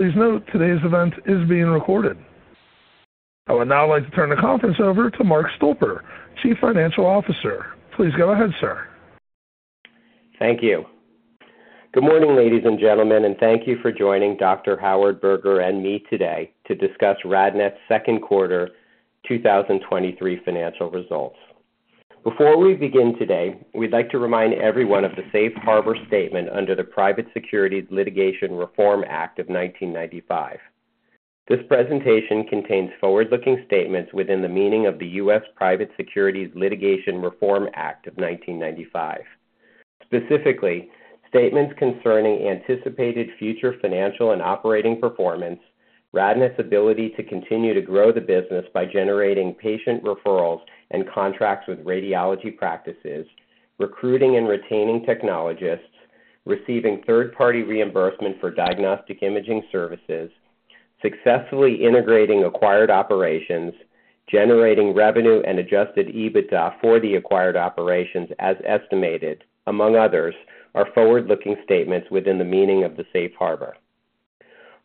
Please note, today's event is being recorded. I would now like to turn the conference over to Mark Stolper, Chief Financial Officer. Please go ahead, sir. Thank you. Good morning, ladies and gentlemen, and thank you for joining Dr. Howard Berger and me today to discuss RadNet's second quarter 2023 financial results. Before we begin today, we'd like to remind everyone of the safe harbor statement under the Private Securities Litigation Reform Act of 1995. This presentation contains forward-looking statements within the meaning of the U.S. Private Securities Litigation Reform Act of 1995. Specifically, statements concerning anticipated future financial and operating performance, RadNet's ability to continue to grow the business by generating patient referrals and contracts with radiology practices, recruiting and retaining technologists, receiving third-party reimbursement for diagnostic imaging services, successfully integrating acquired operations, generating revenue and Adjusted EBITDA for the acquired operations as estimated, among others, are forward-looking statements within the meaning of the safe harbor.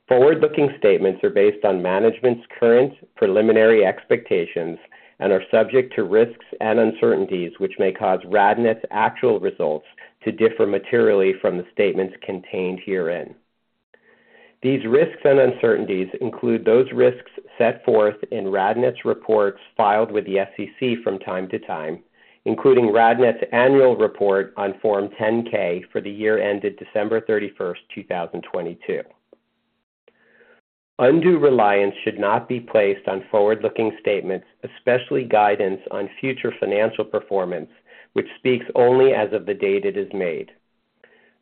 Forward-looking statements are based on management's current preliminary expectations and are subject to risks and uncertainties, which may cause RadNet's actual results to differ materially from the statements contained herein. These risks and uncertainties include those risks set forth in RadNet's reports filed with the SEC from time to time, including RadNet's annual report on Form 10-K for the year ended December 31st, 2022. Undue reliance should not be placed on forward-looking statements, especially guidance on future financial performance, which speaks only as of the date it is made.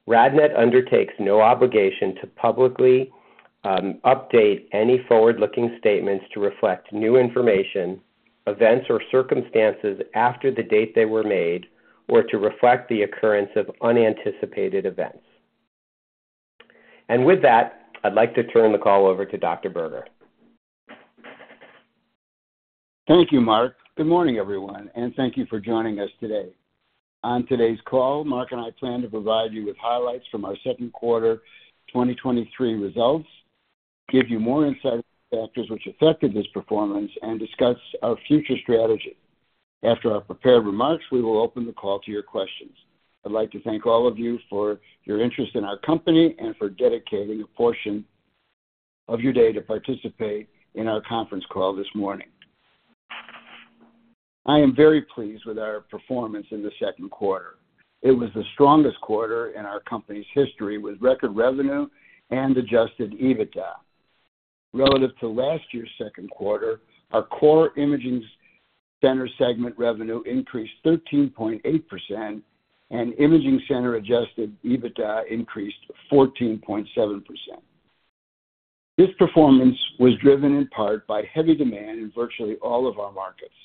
RadNet undertakes no obligation to publicly update any forward-looking statements to reflect new information, events, or circumstances after the date they were made, or to reflect the occurrence of unanticipated events. And with that, I'd like to turn the call over to Dr. Berger. Thank you, Mark. Good morning, everyone, and thank you for joining us today. On today's call, Mark and I plan to provide you with highlights from our second quarter 2023 results, give you more insight into factors which affected this performance, and discuss our future strategy. After our prepared remarks, we will open the call to your questions. I'd like to thank all of you for your interest in our company and for dedicating a portion of your day to participate in our conference call this morning. I am very pleased with our performance in the second quarter. It was the strongest quarter in our company's history, with record revenue and Adjusted EBITDA. Relative to last year's second quarter, our core imaging center segment revenue increased 13.8%, and imaging center Adjusted EBITDA increased 14.7%. This performance was driven in part by heavy demand in virtually all of our markets.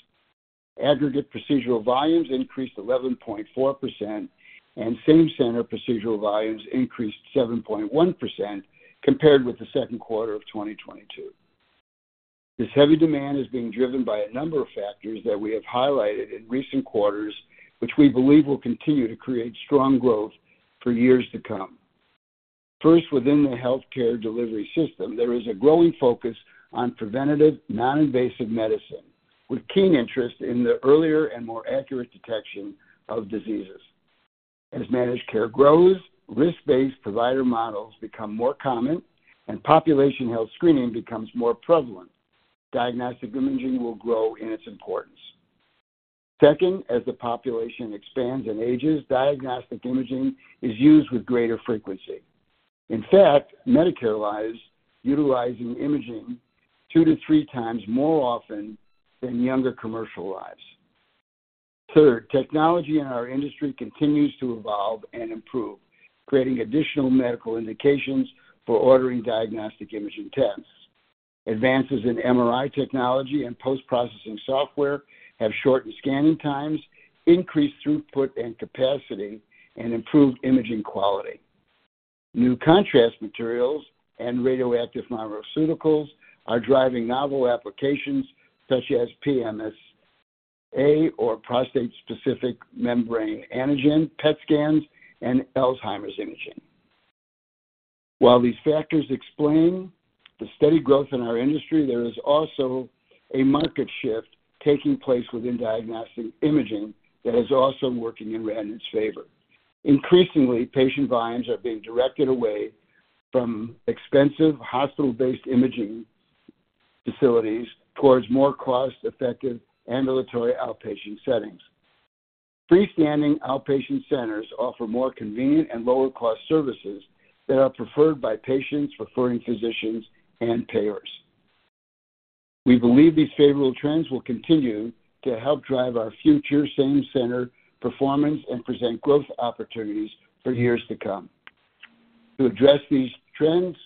Aggregate procedural volumes increased 11.4%, and same-center procedural volumes increased 7.1% compared with the second quarter of 2022. This heavy demand is being driven by a number of factors that we have highlighted in recent quarters, which we believe will continue to create strong growth for years to come. First, within the healthcare delivery system, there is a growing focus on preventative, non-invasive medicine, with keen interest in the earlier and more accurate detection of diseases. As managed care grows, risk-based provider models become more common, and population health screening becomes more prevalent, diagnostic imaging will grow in its importance. Second, as the population expands and ages, diagnostic imaging is used with greater frequency. In fact, Medicare lives utilizing imaging two to three times more often than younger commercial lives. Third, technology in our industry continues to evolve and improve, creating additional medical indications for ordering diagnostic imaging tests. Advances in MRI technology and post-processing software have shortened scanning times, increased throughput and capacity, and improved imaging quality. New contrast materials and radioactive pharmaceuticals are driving novel applications such as PSMA, or prostate-specific membrane antigen, PET scans, and Alzheimer's imaging. While these factors explain the steady growth in our industry, there is also a market shift taking place within diagnostic imaging that is also working in RadNet's favor. Increasingly, patient volumes are being directed away from expensive, hospital-based imaging facilities towards more cost-effective ambulatory outpatient settings. Freestanding outpatient centers offer more convenient and lower-cost services that are preferred by patients, referring physicians, and payers. We believe these favorable trends will continue to help drive our future same-center performance and present growth opportunities for years to come. To address these trends,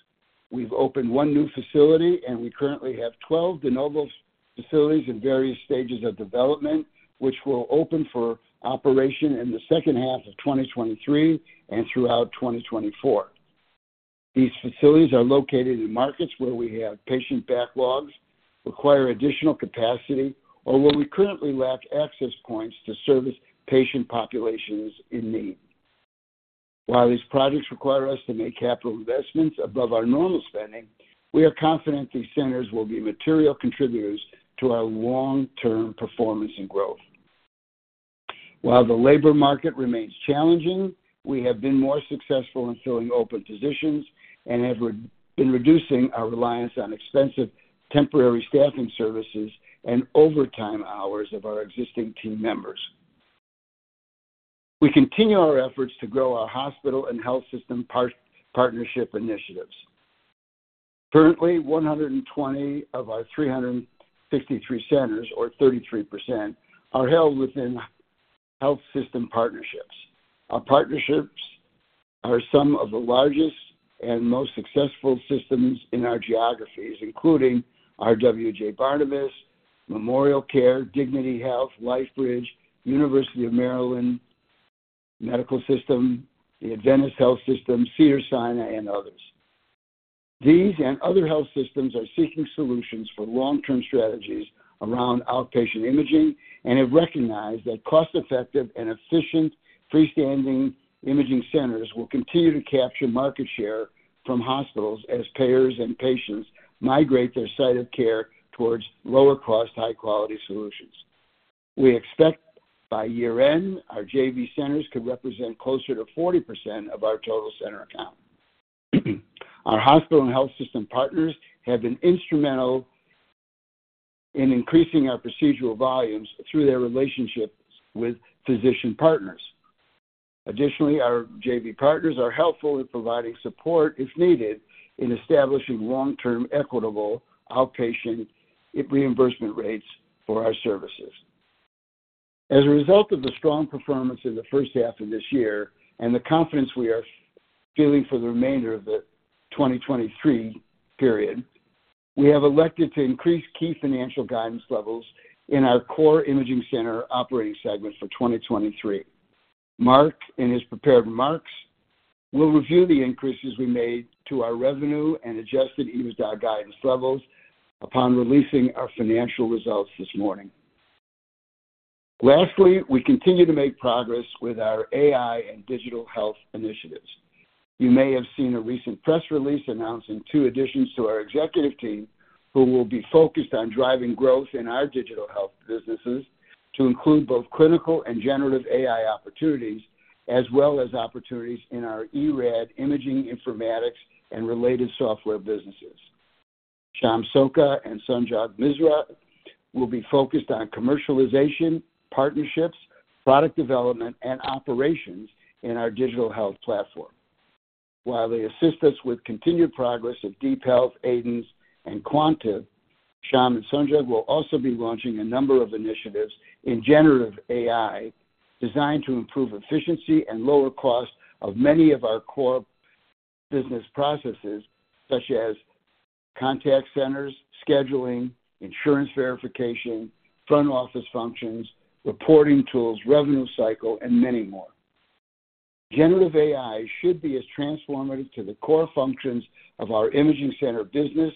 we've opened 1 new facility, and we currently have 12 de novo facilities in various stages of development, which will open for operation in the second half of 2023 and throughout 2024. These facilities are located in markets where we have patient backlogs, require additional capacity, or where we currently lack access points to service patient populations in need. While these projects require us to make capital investments above our normal spending, we are confident these centers will be material contributors to our long-term performance and growth. While the labor market remains challenging, we have been more successful in filling open positions and have been reducing our reliance on expensive temporary staffing services and overtime hours of our existing team members. We continue our efforts to grow our hospital and health system partnership initiatives. Currently, 120 of our 363 centers, or 33%, are held within health system partnerships. Our partnerships are some of the largest and most successful systems in our geographies, including RWJBarnabas, MemorialCare, Dignity Health, LifeBridge, University of Maryland Medical System, the Adventist Health System, Cedars-Sinai, and others. These other health systems are seeking solutions for long-term strategies around outpatient imaging and have recognized that cost-effective and efficient freestanding imaging centers will continue to capture market share from hospitals as payers and patients migrate their site of care towards lower cost, high-quality solutions. We expect by year-end, our JV centers could represent closer to 40% of our total center account. Our hospital and health system partners have been instrumental in increasing our procedural volumes through their relationships with physician partners. Additionally, our JV partners are helpful in providing support, if needed, in establishing long-term, equitable outpatient reimbursement rates for our services. As a result of the strong performance in the first half of this year and the confidence we are feeling for the remainder of the 2023 period, we have elected to increase key financial guidance levels in our core imaging center operating segment for 2023. Mark, in his prepared remarks, will review the increases we made to our revenue and Adjusted EBITDA guidance levels upon releasing our financial results this morning. Lastly, we continue to make progress with our AI and digital health initiatives. You may have seen a recent press release announcing two additions to our executive team, who will be focused on driving growth in our digital health businesses to include both clinical and generative AI opportunities, as well as opportunities in our eRAD imaging informatics and related software businesses. Shyam Sokka and Sanjog Misra will be focused on commercialization, partnerships, product development, and operations in our digital health platform. While they assist us with continued progress of DeepHealth, Aidence, and Quantib, Shyam and Sanjog will also be launching a number of initiatives in generative AI, designed to improve efficiency and lower cost of many of our core business processes, such as contact centers, scheduling, insurance verification, front office functions, reporting tools, revenue cycle, and many more. Generative AI should be as transformative to the core functions of our imaging center business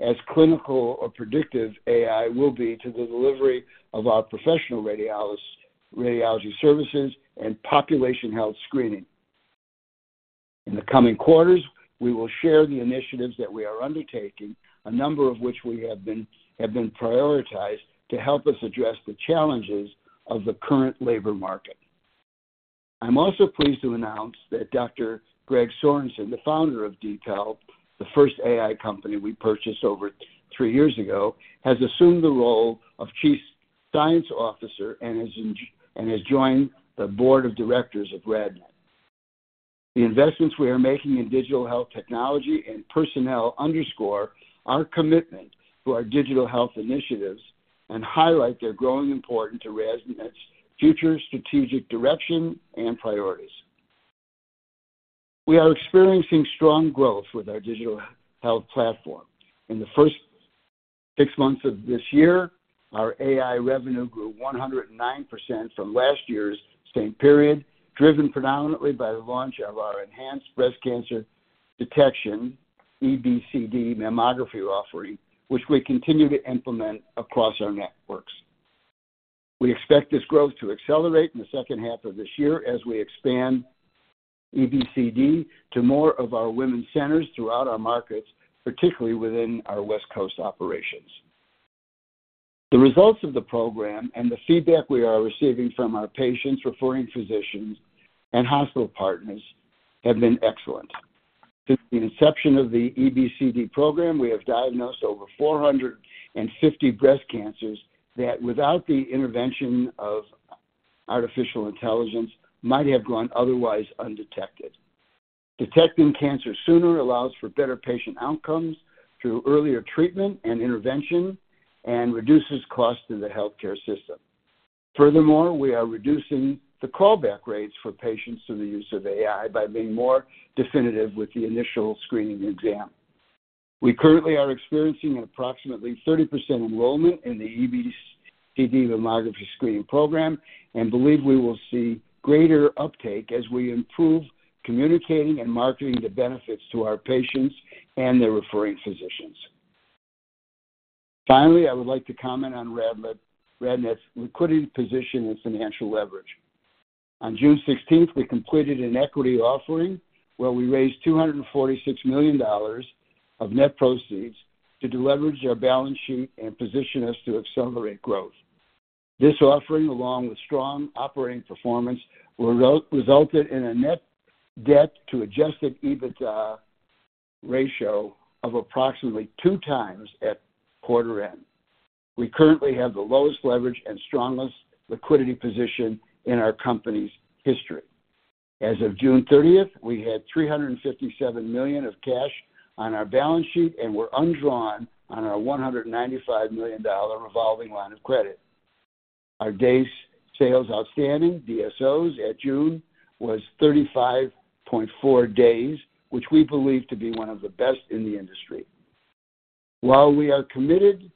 as clinical or predictive AI will be to the delivery of our professional radiology services and population health screening. In the coming quarters, we will share the initiatives that we are undertaking, a number of which have been prioritized to help us address the challenges of the current labor market. I'm also pleased to announce that Dr. Greg Sorenson, the founder of DeepHealth, the first AI company we purchased over three years ago, has assumed the role of Chief Science Officer and has joined the Board of Directors of RadNet. The investments we are making in digital health technology and personnel underscore our commitment to our digital health initiatives and highlight their growing importance to RadNet's future strategic direction and priorities. We are experiencing strong growth with our digital health platform. In the first 6 months of this year, our AI revenue grew 109% from last year's same period, driven predominantly by the launch of our Enhanced Breast Cancer Detection, EBCD mammography offering, which we continue to implement across our networks. We expect this growth to accelerate in the second half of this year as we expand EBCD to more of our women's centers throughout our markets, particularly within our West Coast operations. The results of the program and the feedback we are receiving from our patients, referring physicians, and hospital partners have been excellent. Since the inception of the EBCD program, we have diagnosed over 450 breast cancers that, without the intervention of artificial intelligence, might have gone otherwise undetected. Detecting cancer sooner allows for better patient outcomes through earlier treatment and intervention and reduces costs to the healthcare system. Furthermore, we are reducing the callback rates for patients through the use of AI by being more definitive with the initial screening exam. We currently are experiencing approximately 30% enrollment in the EBCD mammography screening program and believe we will see greater uptake as we improve communicating and marketing the benefits to our patients and their referring physicians. Finally, I would like to comment on RadNet's liquidity position and financial leverage. On June 16th, we completed an equity offering where we raised $246 million of net proceeds to deleverage our balance sheet and position us to accelerate growth. This offering, along with strong operating performance, re-resulted in a net debt to Adjusted EBITDA ratio of approximately 2x at quarter end. We currently have the lowest leverage and strongest liquidity position in our company's history. As of June 30th, we had $357 million of cash on our balance sheet, and we're undrawn on our $195 million revolving line of credit. Our days sales outstanding, DSOs, at June was 35.4 days, which we believe to be one of the best in the industry. While we are committed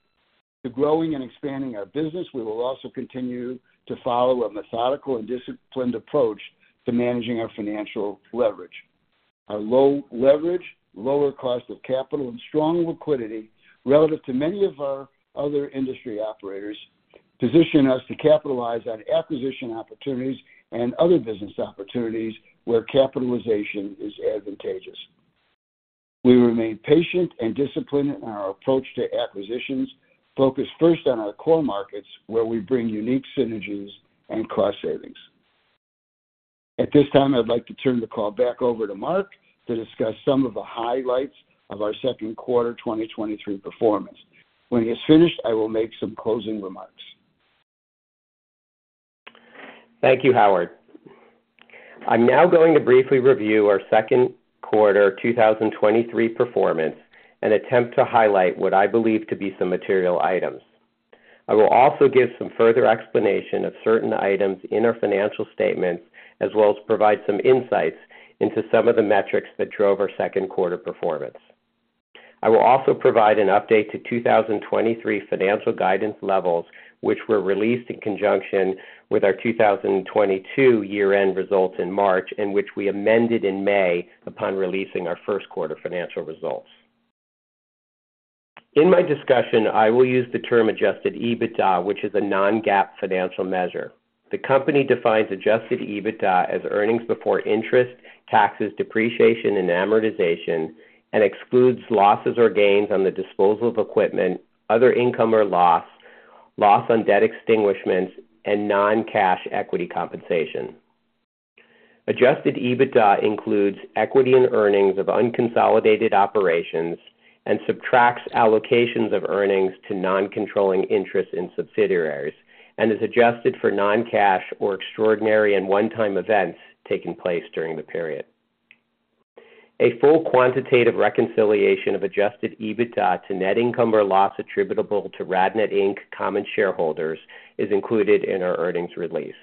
to growing and expanding our business, we will also continue to follow a methodical and disciplined approach to managing our financial leverage. Our low leverage, lower cost of capital, and strong liquidity, relative to many of our other industry operators, position us to capitalize on acquisition opportunities and other business opportunities where capitalization is advantageous. We remain patient and disciplined in our approach to acquisitions, focused first on our core markets, where we bring unique synergies and cost savings. At this time, I'd like to turn the call back over to Mark to discuss some of the highlights of our second quarter 2023 performance. When he is finished, I will make some closing remarks. Thank you, Howard. I'm now going to briefly review our second quarter 2023 performance and attempt to highlight what I believe to be some material items. I will also give some further explanation of certain items in our financial statements, as well as provide some insights into some of the metrics that drove our second quarter performance. I will also provide an update to 2023 financial guidance levels, which were released in conjunction with our 2022 year-end results in March, and which we amended in May upon releasing our first quarter financial results. In my discussion, I will use the term Adjusted EBITDA, which is a non-GAAP financial measure. The company defines Adjusted EBITDA as earnings before interest, taxes, depreciation, and amortization, and excludes losses or gains on the disposal of equipment, other income or loss, loss on debt extinguishments, and non-cash equity compensation. Adjusted EBITDA includes equity and earnings of unconsolidated operations and subtracts allocations of earnings to non-controlling interests in subsidiaries, and is adjusted for non-cash or extraordinary and one-time events taking place during the period. A full quantitative reconciliation of Adjusted EBITDA to net income or loss attributable to RadNet, Inc. common shareholders is included in our earnings release.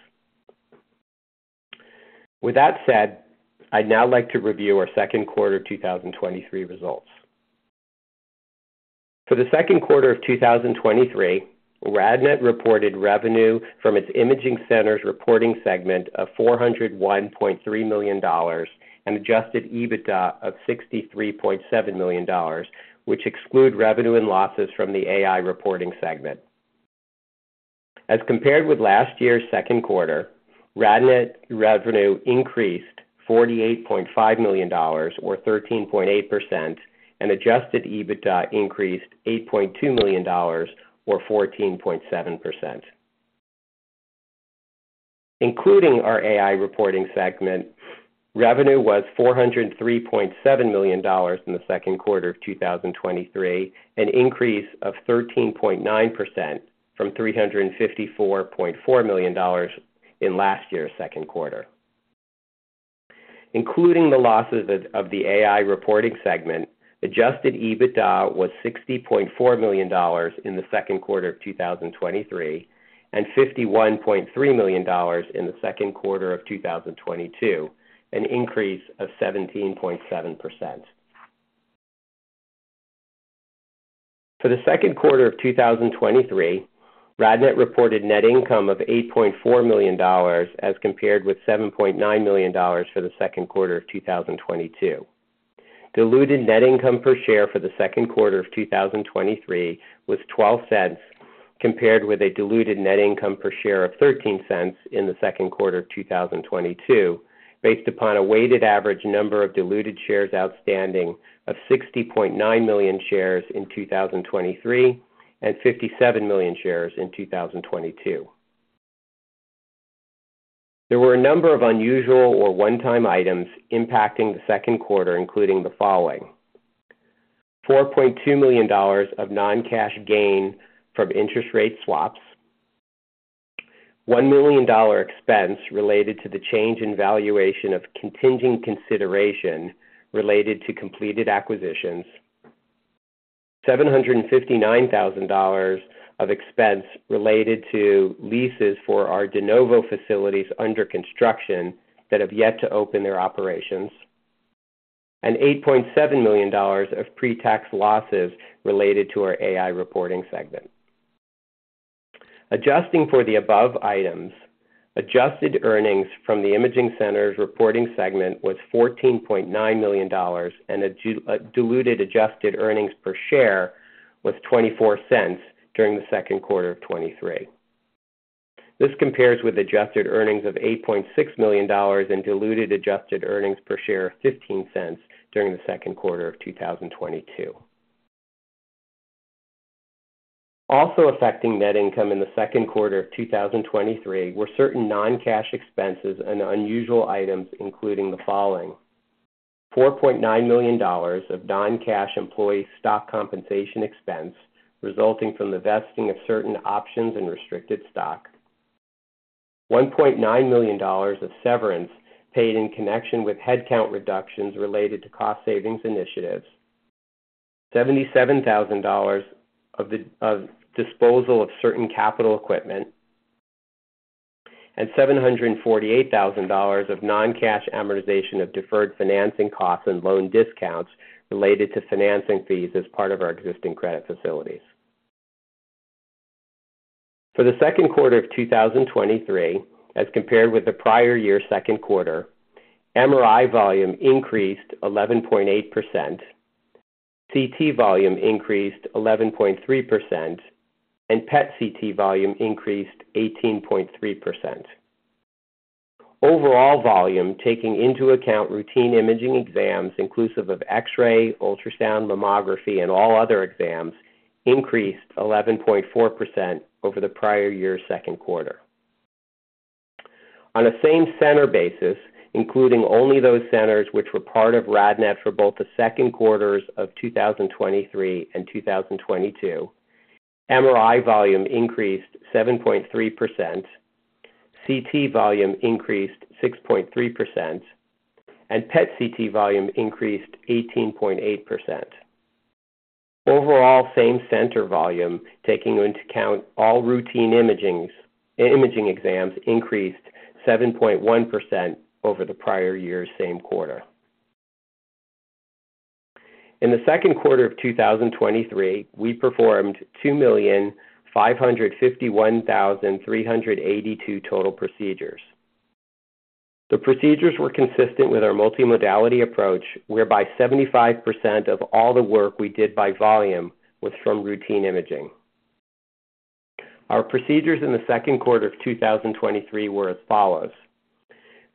With that said, I'd now like to review our second quarter 2023 results. For the second quarter of 2023, RadNet reported revenue from its imaging centers reporting segment of $401.3 million and Adjusted EBITDA of $63.7 million, which exclude revenue and losses from the AI reporting segment. As compared with last year's second quarter, RadNet revenue increased $48.5 million, or 13.8%, and Adjusted EBITDA increased $8.2 million or 14.7%. Including our AI reporting segment, revenue was $403.7 million in the second quarter of 2023, an increase of 13.9% from $354.4 million in last year's second quarter. Including the losses of the AI reporting segment, Adjusted EBITDA was $60.4 million in the second quarter of 2023, and $51.3 million in the second quarter of 2022, an increase of 17.7%. For the second quarter of 2023, RadNet reported net income of $8.4 million, as compared with $7.9 million for the second quarter of 2022. Diluted net income per share for the second quarter of 2023 was $0.12, compared with a diluted net income per share of $0.13 in the second quarter of 2022, based upon a weighted average number of diluted shares outstanding of 60.9 million shares in 2023 and 57 million shares in 2022. There were a number of unusual or one-time items impacting the second quarter, including the following: $4.2 million of non-cash gain from interest rate swaps, $1 million expense related to the change in valuation of contingent consideration related to completed acquisitions, $759,000 of expense related to leases for our de novo facilities under construction that have yet to open their operations, and $8.7 million of pre-tax losses related to our AI reporting segment. Adjusting for the above items, adjusted earnings from the imaging centers reporting segment was $14.9 million, and diluted adjusted earnings per share was $0.24 during the second quarter of 2023. This compares with adjusted earnings of $8.6 million and diluted adjusted earnings per share of $0.15 during the second quarter of 2022. Also affecting net income in the second quarter of 2023 were certain non-cash expenses and unusual items, including the following: $4.9 million of non-cash employee stock compensation expense, resulting from the vesting of certain options and restricted stock, $1.9 million of severance paid in connection with headcount reductions related to cost savings initiatives, $77,000 of disposal of certain capital equipment, and $748,000 of non-cash amortization of deferred financing costs and loan discounts related to financing fees as part of our existing credit facilities. For the second quarter of 2023, as compared with the prior year's second quarter, MRI volume increased 11.8%, CT volume increased 11.3%, and PET CT volume increased 18.3%. Overall volume, taking into account routine imaging exams inclusive of X-ray, ultrasound, mammography, and all other exams, increased 11.4% over the prior year's second quarter. On a same-center basis, including only those centers which were part of RadNet for both the second quarters of 2023 and 2022, MRI volume increased 7.3%, CT volume increased 6.3%, and PET CT volume increased 18.8%. Overall, same-center volume, taking into account all routine imaging exams, increased 7.1% over the prior year's same quarter. In the second quarter of 2023, we performed 2,551,382 total procedures. The procedures were consistent with our multimodality approach, whereby 75% of all the work we did by volume was from routine imaging. Our procedures in the second quarter of 2023 were as follows: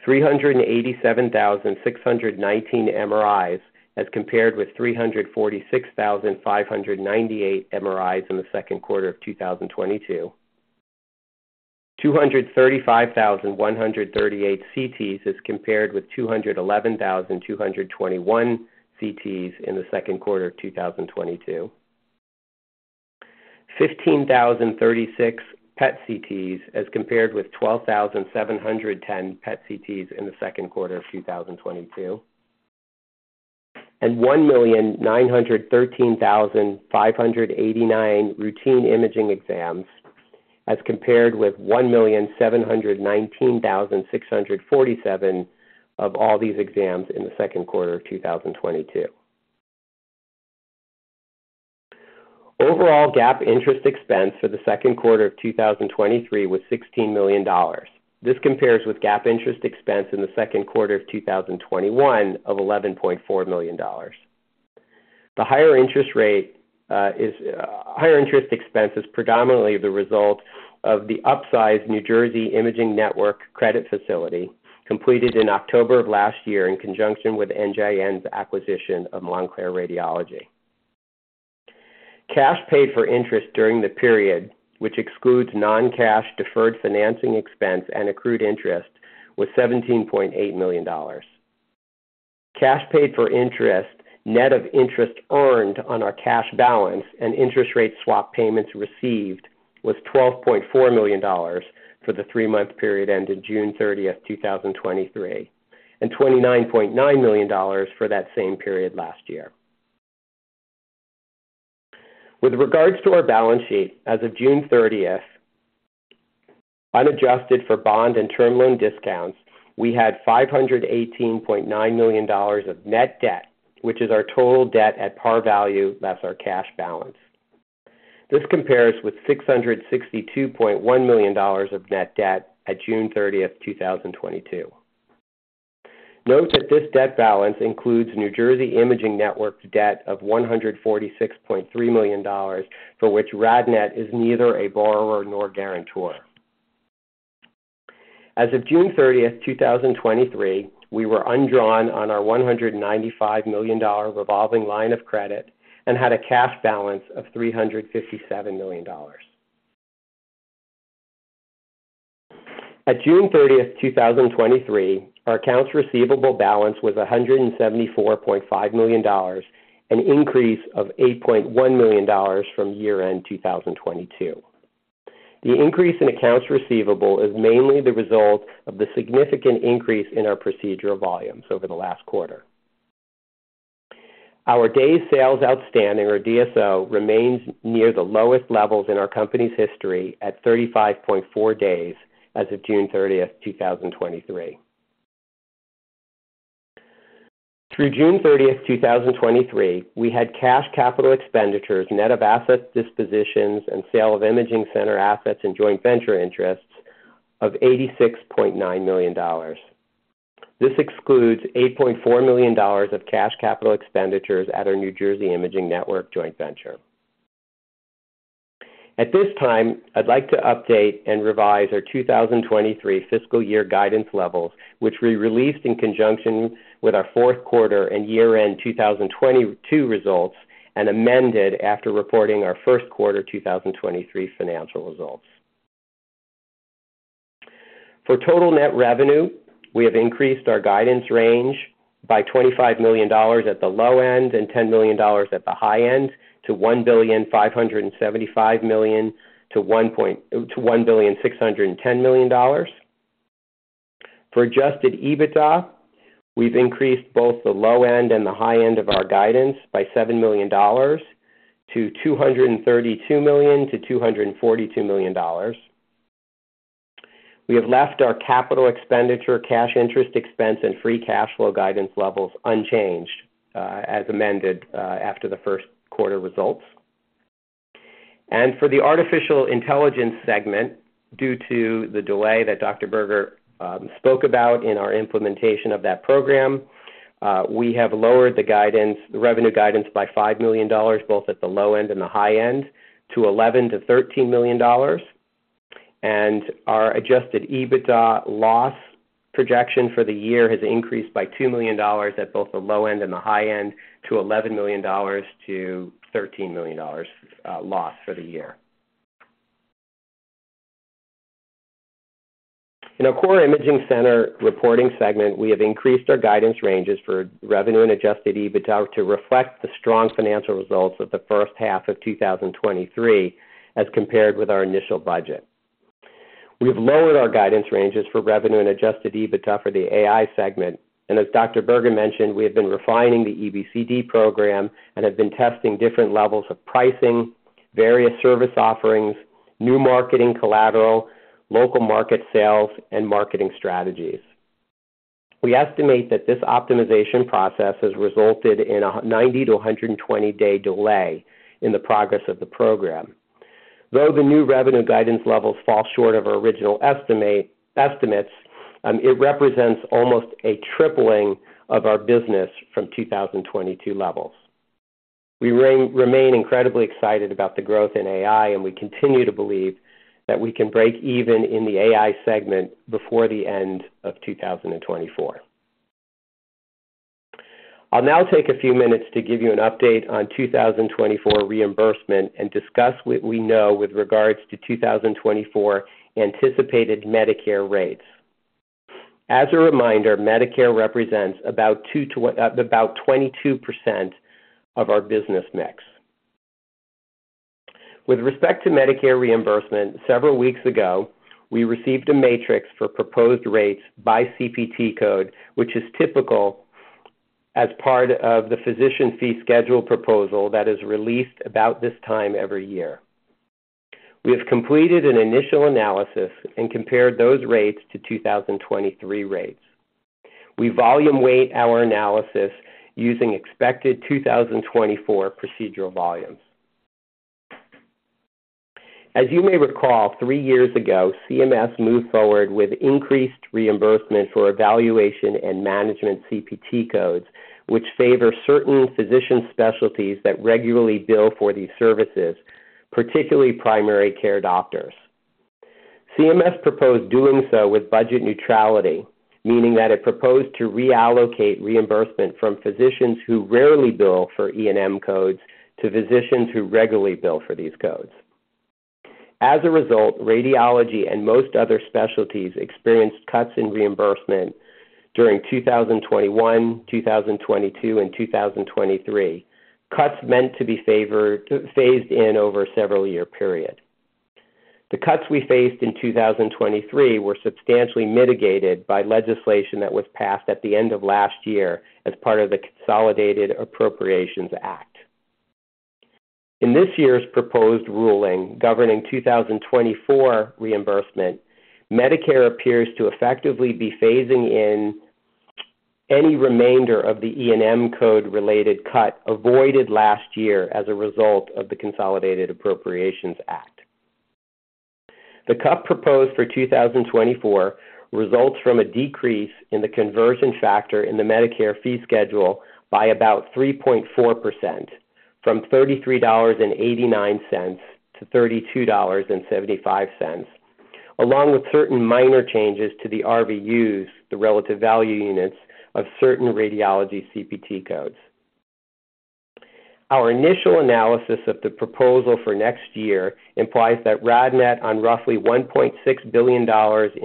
387,619 MRIs, as compared with 346,598 MRIs in the second quarter of 2022. 235,138 CTs, as compared with 211,221 CTs in the second quarter of 2022. 15,036 PET CTs, as compared with 12,710 PET CTs in the second quarter of 2022, 1,913,589 routine imaging exams, as compared with 1,719,647 of all these exams in the second quarter of 2022. Overall, GAAP interest expense for the second quarter of 2023 was $16 million. This compares with GAAP interest expense in the second quarter of 2021 of $11.4 million. Higher interest expense is predominantly the result of the upsized New Jersey Imaging Network credit facility, completed in October of last year in conjunction with NJN's acquisition of Montclair Radiology. Cash paid for interest during the period, which excludes non-cash deferred financing expense and accrued interest, was $17.8 million. Cash paid for interest, net of interest earned on our cash balance and interest rate swap payments received, was $12.4 million for the three-month period ended June thirtieth, 2023, and $29.9 million for that same period last year. With regards to our balance sheet, as of June 30th, unadjusted for bond and term loan discounts, we had $518.9 million of net debt, which is our total debt at par value, less our cash balance. This compares with $662.1 million of net debt at June 30th, 2022. Note that this debt balance includes New Jersey Imaging Network's debt of $146.3 million, for which RadNet is neither a borrower nor guarantor. As of June 30th, 2023, we were undrawn on our $195 million revolving line of credit and had a cash balance of $357 million. At June 30, 2023, our accounts receivable balance was $174.5 million, an increase of $8.1 million from year-end 2022. The increase in accounts receivable is mainly the result of the significant increase in our procedural volumes over the last quarter. Our days sales outstanding, or DSO, remains near the lowest levels in our company's history at 35.4 days as of June 30, 2023. Through June 30, 2023, we had cash capital expenditures, net of asset dispositions and sale of imaging center assets and joint venture interests of $86.9 million. This excludes $8.4 million of cash capital expenditures at our New Jersey Imaging Network joint venture. At this time, I'd like to update and revise our 2023 fiscal year guidance levels, which we released in conjunction with our fourth quarter and year-end 2022 results, and amended after reporting our first quarter 2023 financial results. For total net revenue, we have increased our guidance range by $25 million at the low end and $10 million at the high end, to $1.575 billion-$1.610 billion. For Adjusted EBITDA, we've increased both the low end and the high end of our guidance by $7 million to $232 million-$242 million. We have left our capital expenditure, cash interest expense, and free cash flow guidance levels unchanged, as amended, after the first quarter results. For the artificial intelligence segment, due to the delay that Dr. Berger spoke about in our implementation of that program, we have lowered the guidance, the revenue guidance by $5 million, both at the low end and the high end, to $11 million-$13 million. Our Adjusted EBITDA loss projection for the year has increased by $2 million at both the low end and the high end, to $11 million-$13 million, loss for the year. In our core imaging center reporting segment, we have increased our guidance ranges for revenue and Adjusted EBITDA to reflect the strong financial results of the first half of 2023, as compared with our initial budget. As Dr. Berger mentioned, we've lowered our guidance ranges for revenue and Adjusted EBITDA for the AI segment, and we have been refining the EBCD program and have been testing different levels of pricing, various service offerings, new marketing collateral, local market sales, and marketing strategies. We estimate that this optimization process has resulted in a 90 day-120 day delay in the progress of the program. Though the new revenue guidance levels fall short of our original estimate, estimates, it represents almost a tripling of our business from 2022 levels. We remain incredibly excited about the growth in AI. We continue to believe that we can break even in the AI segment before the end of 2024. I'll now take a few minutes to give you an update on 2024 reimbursement and discuss what we know with regards to 2024 anticipated Medicare rates. As a reminder, Medicare represents about two to... About 22% of our business mix. With respect to Medicare reimbursement, several weeks ago, we received a matrix for proposed rates by CPT code, which is typical as part of the Physician Fee Schedule proposal that is released about this time every year. We have completed an initial analysis and compared those rates to 2023 rates. We volume weight our analysis using expected 2024 procedural volumes. As you may recall, three years ago, CMS moved forward with increased reimbursement for Evaluation and Management CPT codes, which favor certain physician specialties that regularly bill for these services, particularly primary care doctors. CMS proposed doing so with budget neutrality, meaning that it proposed to reallocate reimbursement from physicians who rarely bill for E&M codes, to physicians who regularly bill for these codes. As a result, radiology and most other specialties experienced cuts in reimbursement during 2021, 2022, and 2023. Cuts meant to be phased in over a several-year period. The cuts we faced in 2023 were substantially mitigated by legislation that was passed at the end of last year as part of the Consolidated Appropriations Act. In this year's proposed ruling governing 2024 reimbursement, Medicare appears to effectively be phasing in any remainder of the E&M code related cut avoided last year as a result of the Consolidated Appropriations Act. The cut proposed for 2024 results from a decrease in the conversion factor in the Medicare fee schedule by about 3.4%, from $33.89 to $32.75, along with certain minor changes to the RVUs, the relative value units, of certain radiology CPT codes. Our initial analysis of the proposal for next year implies that RadNet, on roughly $1.6 billion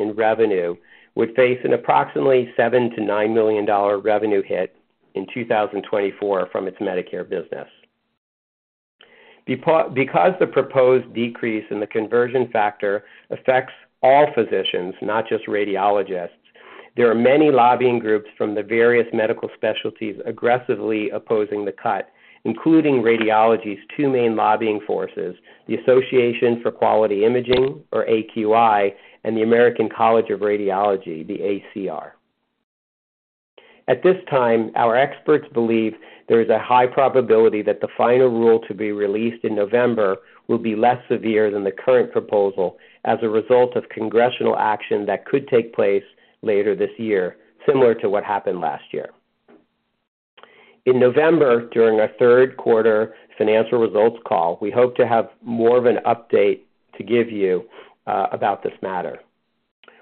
in revenue, would face an approximately $7 million-$9 million revenue hit in 2024 from its Medicare business. Because the proposed decrease in the conversion factor affects all physicians, not just radiologists, there are many lobbying groups from the various medical specialties aggressively opposing the cut, including radiology's two main lobbying forces, the Association for Quality Imaging, or AQI, and the American College of Radiology, the ACR. At this time, our experts believe there is a high probability that the final rule to be released in November will be less severe than the current proposal as a result of congressional action that could take place later this year, similar to what happened last year. In November, during our third quarter financial results call, we hope to have more of an update to give you about this matter.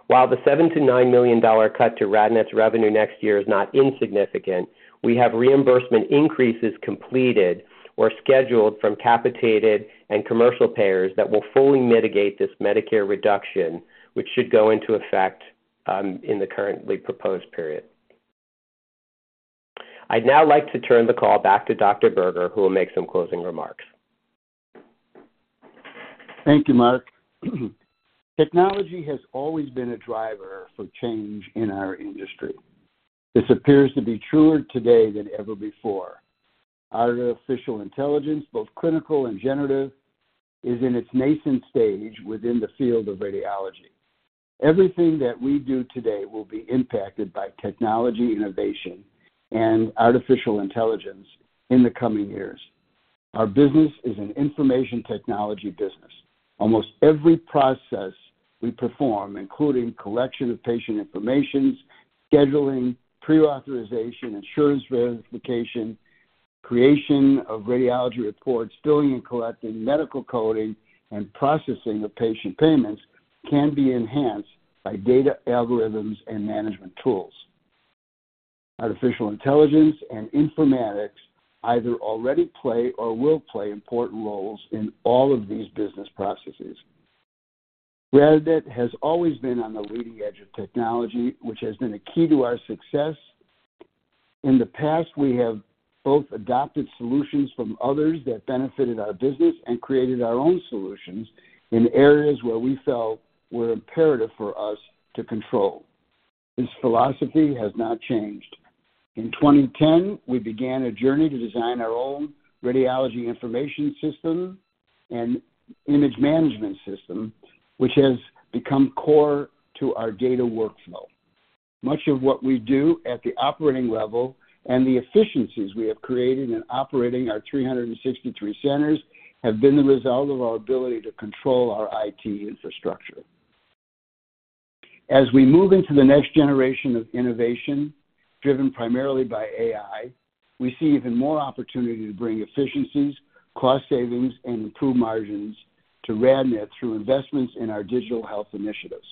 While the $7 million-$9 million cut to RadNet's revenue next year is not insignificant, we have reimbursement increases completed or scheduled from capitated and commercial payers that will fully mitigate this Medicare reduction, which should go into effect in the currently proposed period. I'd now like to turn the call back to Dr. Berger, who will make some closing remarks. Thank you, Mark. Technology has always been a driver for change in our industry. This appears to be truer today than ever before. Artificial intelligence, both clinical and generative, is in its nascent stage within the field of radiology. Everything that we do today will be impacted by technology innovation and artificial intelligence in the coming years. Our business is an information technology business. Almost every process we perform, including collection of patient informations, scheduling, pre-authorization, insurance verification, creation of radiology reports, billing and collecting, medical coding, and processing of patient payments, can be enhanced by data algorithms and management tools. Artificial intelligence and informatics either already play or will play important roles in all of these business processes. RadNet has always been on the leading edge of technology, which has been a key to our success. In the past, we have both adopted solutions from others that benefited our business and created our own solutions in areas where we felt were imperative for us to control. This philosophy has not changed. In 2010, we began a journey to design our own Radiology Information System and image management system, which has become core to our data workflow. Much of what we do at the operating level and the efficiencies we have created in operating our 363 centers have been the result of our ability to control our IT infrastructure. As we move into the next generation of innovation, driven primarily by AI, we see even more opportunity to bring efficiencies, cost savings, and improved margins to RadNet through investments in our digital health initiatives.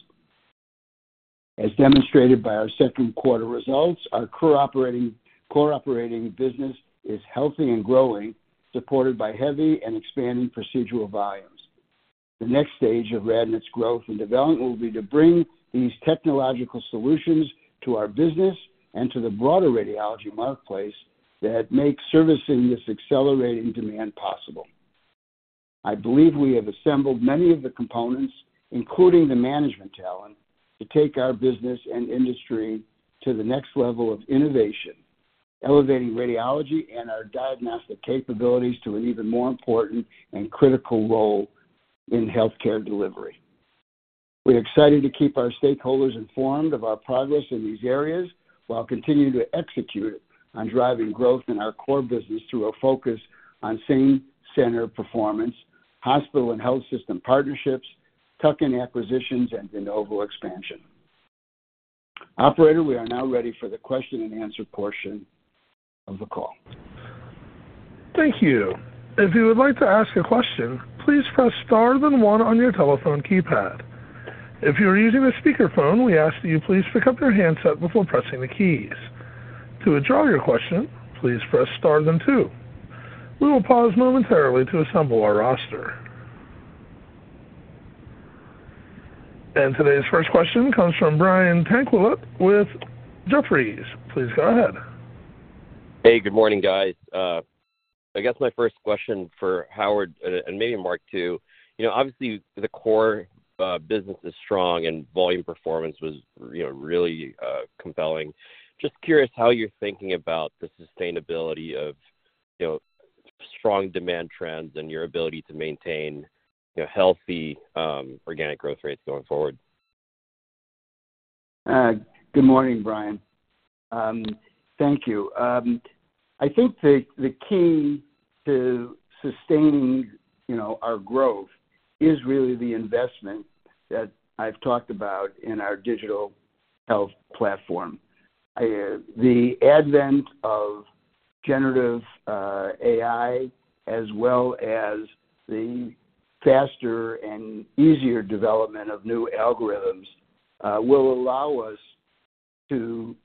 As demonstrated by our second quarter results, our core operating business is healthy and growing, supported by heavy and expanding procedural volumes. The next stage of RadNet's growth and development will be to bring these technological solutions to our business and to the broader radiology marketplace that make servicing this accelerating demand possible. I believe we have assembled many of the components, including the management talent, to take our business and industry to the next level of innovation, elevating radiology and our diagnostic capabilities to an even more important and critical role in healthcare delivery. We're excited to keep our stakeholders informed of our progress in these areas, while continuing to execute on driving growth in our core business through a focus on same-center performance, hospital and health system partnerships, tuck-in acquisitions, and de novo expansion. Operator, we are now ready for the question and answer portion of the call. Thank you. If you would like to ask a question, please press star then one on your telephone keypad. If you are using a speakerphone, we ask that you please pick up your handset before pressing the keys. To withdraw your question, please press star then two. We will pause momentarily to assemble our roster. Today's first question comes from Brian Tanquilut with Jefferies. Please go ahead. Hey, good morning, guys. I guess my first question for Howard and maybe Mark, too, you know, obviously the core business is strong and volume performance was, you know, really compelling. Just curious how you're thinking about the sustainability of, you know, strong demand trends and your ability to maintain, you know, healthy organic growth rates going forward? Good morning, Brian. Thank you. I think the key to sustaining, you know, our growth is really the investment that I've talked about in our digital health platform. The advent of generative AI, as well as the faster and easier development of new algorithms, will allow us to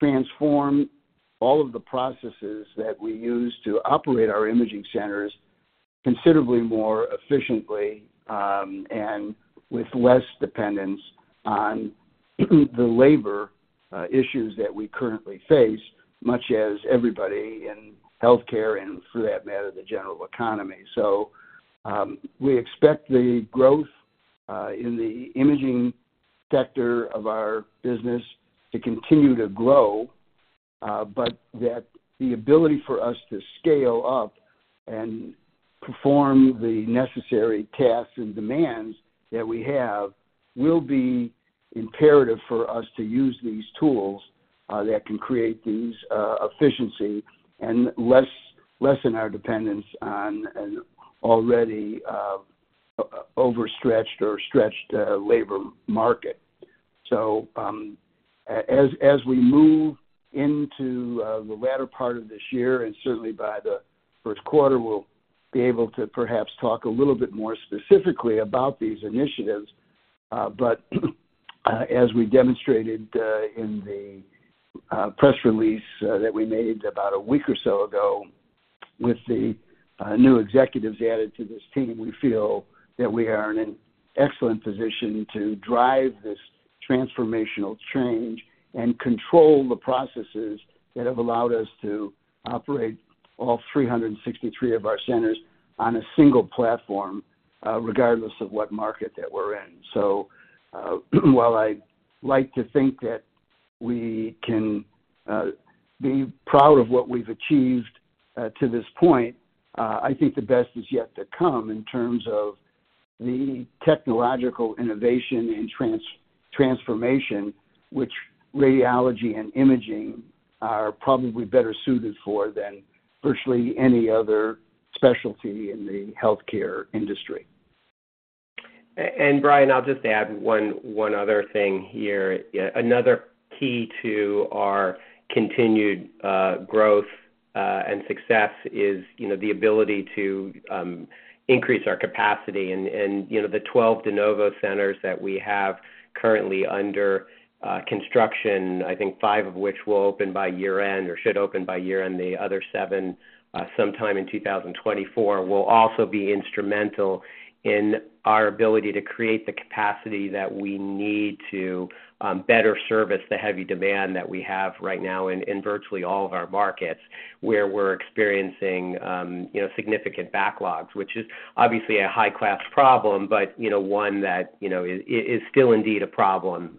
transform all of the processes that we use to operate our imaging centers considerably more efficiently, and with less dependence on the labor issues that we currently face, much as everybody in healthcare, and for that matter, the general economy. We expect the growth in the imaging sector of our business to continue to grow, but that the ability for us to scale up-... Perform the necessary tasks and demands that we have, will be imperative for us to use these tools that can create these efficiency and lessen our dependence on an already overstretched or stretched labor market. As we move into the latter part of this year, and certainly by the first quarter, we'll be able to perhaps talk a little bit more specifically about these initiatives. As we demonstrated in the press release that we made about a week or so ago, with the new executives added to this team, we feel that we are in an excellent position to drive this transformational change and control the processes that have allowed us to operate all 363 of our centers on a single platform, regardless of what market that we're in. While I like to think that we can be proud of what we've achieved to this point, I think the best is yet to come in terms of the technological innovation and transformation which radiology and imaging are probably better suited for than virtually any other specialty in the healthcare industry. Brian, I'll just add one, one other thing here. Another key to our continued growth and success is, you know, the ability to increase our capacity. You know, the 12 de novo centers that we have currently under construction, I think five of which will open by year-end or should open by year-end, the other seven sometime in 2024, will also be instrumental in our ability to create the capacity that we need to better service the heavy demand that we have right now in virtually all of our markets, where we're experiencing, you know, significant backlogs. Which is obviously a high-class problem, but, you know, one that, you know, is, is still indeed a problem,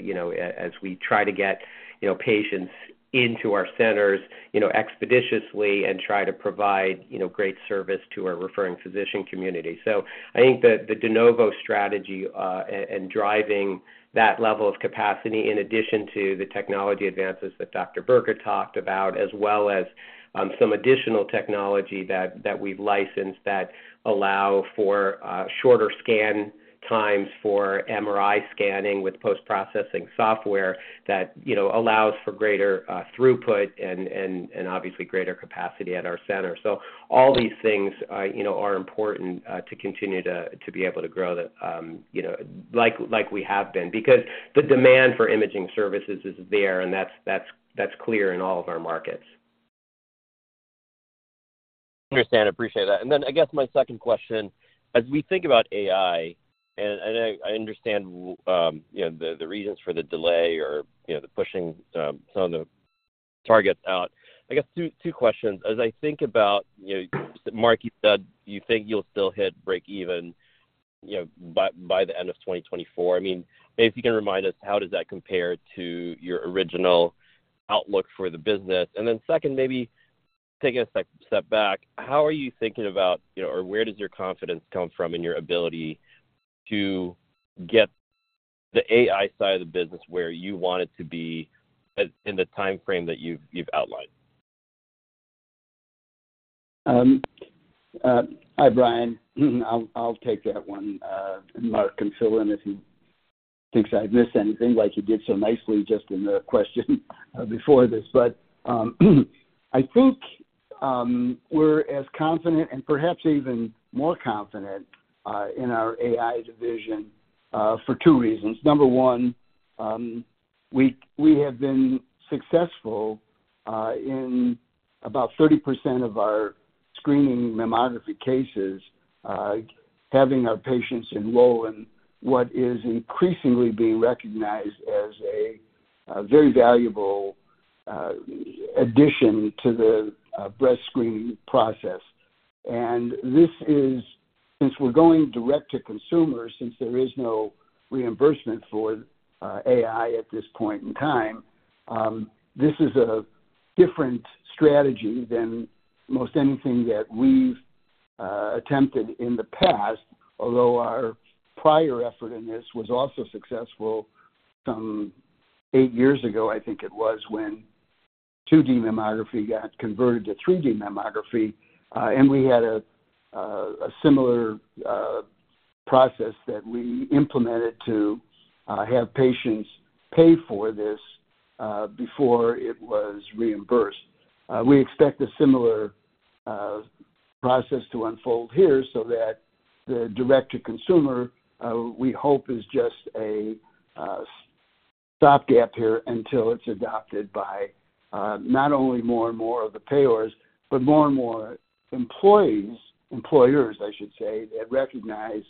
you know, as we try to get, you know, patients into our centers, you know, expeditiously and try to provide, you know, great service to our referring physician community. I think that the de novo strategy, and driving that level of capacity, in addition to the technology advances that Dr. Berger talked about, as well as, some additional technology that, that we've licensed that allow for shorter scan times for MRI scanning with post-processing software, that, you know, allows for greater throughput and, and, and obviously greater capacity at our center. All these things, you know, are important to continue to, to be able to grow the, you know, like, like we have been. The demand for imaging services is there, and that's, that's, that's clear in all of our markets. Understand. I appreciate that. Then I guess my second question: as we think about AI, and I, I understand, you know, the, the reasons for the delay or, you know, the pushing, some of the targets out, I guess two, two questions. As I think about, you know, Mark, you said you think you'll still hit break even, you know, by, by the end of 2024. I mean, maybe you can remind us, how does that compare to your original outlook for the business? Then second, maybe taking a step, step back, how are you thinking about, you know, or where does your confidence come from in your ability to get the AI side of the business where you want it to be, in the timeframe that you've, you've outlined? Hi, Brian. I'll, I'll take that one, and Mark can fill in if he thinks I've missed anything, like you did so nicely just in the question before this. I think, we're as confident and perhaps even more confident in our AI division for two reasons. Number one, we, we have been successful in about 30% of our screening mammography cases, having our patients enroll in what is increasingly being recognized as a very valuable addition to the breast screening process. This is, since we're going direct to consumer, since there is no reimbursement for AI at this point in time, this is a different strategy than most anything that we've attempted in the past. Although our prior effort in this was also successful some 8 years ago, I think it was, when 2D mammography got converted to 3D mammography, and we had a similar process that we implemented to have patients pay for this before it was reimbursed. We expect a similar process to unfold here so that the direct-to-consumer, we hope, is just a stopgap here until it's adopted by not only more and more of the payers, but more and more employees, employers, I should say, that recognize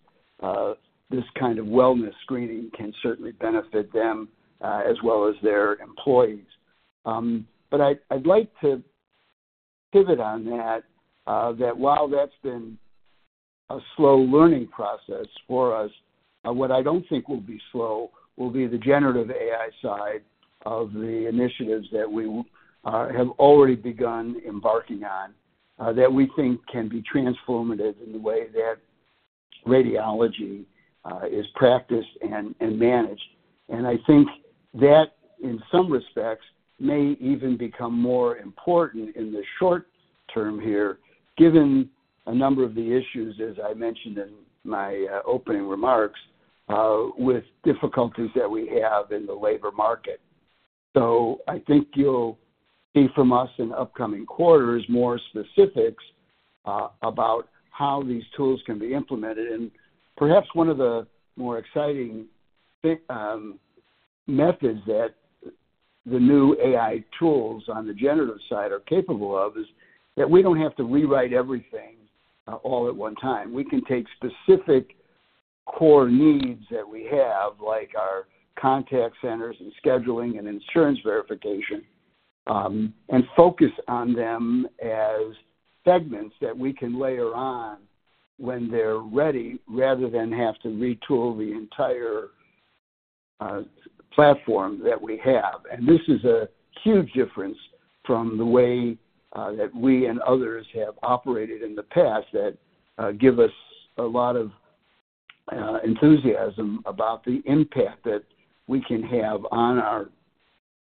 this kind of wellness screening can certainly benefit them as well as their employees. I'd, I'd like to pivot on that, that while that's been... a slow learning process for us. What I don't think will be slow will be the generative AI side of the initiatives that we have already begun embarking on, that we think can be transformative in the way that radiology is practiced and managed. I think that, in some respects, may even become more important in the short term here, given a number of the issues, as I mentioned in my opening remarks, with difficulties that we have in the labor market. I think you'll see from us in upcoming quarters, more specifics about how these tools can be implemented. Perhaps one of the more exciting methods that the new AI tools on the generative side are capable of is that we don't have to rewrite everything all at one time. We can take specific core needs that we have, like our contact centers and scheduling and insurance verification, and focus on them as segments that we can layer on when they're ready, rather than have to retool the entire platform that we have. This is a huge difference from the way that we and others have operated in the past that give us a lot of enthusiasm about the impact that we can have on our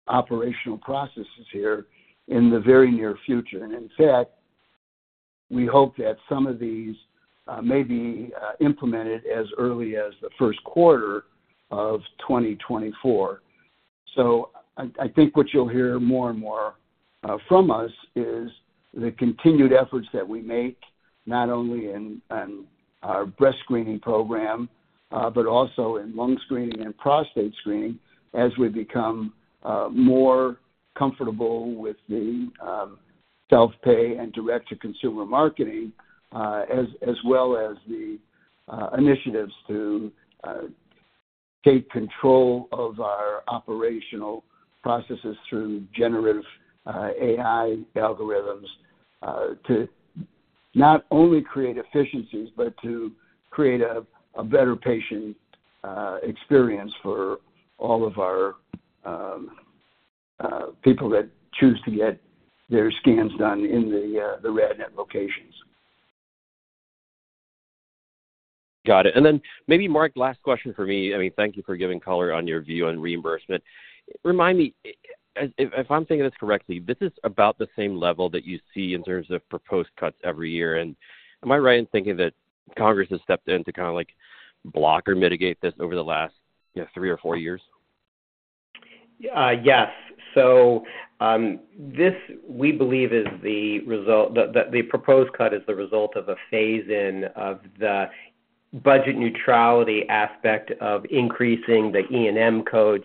operational processes here in the very near future. In fact, we hope that some of these may be implemented as early as the first quarter of 2024. I, I think what you'll hear more and more from us is the continued efforts that we make, not only in, in our breast screening program, but also in lung screening and prostate screening, as we become more comfortable with the self-pay and direct-to-consumer marketing, as, as well as the initiatives to take control of our operational processes through generative AI algorithms, to not only create efficiencies, but to create a better patient experience for all of our people that choose to get their scans done in the RadNet locations. Got it. Then maybe, Mark, last question for me. I mean, thank you for giving color on your view on reimbursement. Remind me, if, if I'm thinking this correctly, this is about the same level that you see in terms of proposed cuts every year. Am I right in thinking that Congress has stepped in to kind of, like, block or mitigate this over the last, you know, three or four years? Yes. This, we believe, is the result. The proposed cut is the result of a phase-in of the budget neutrality aspect of increasing the E&M codes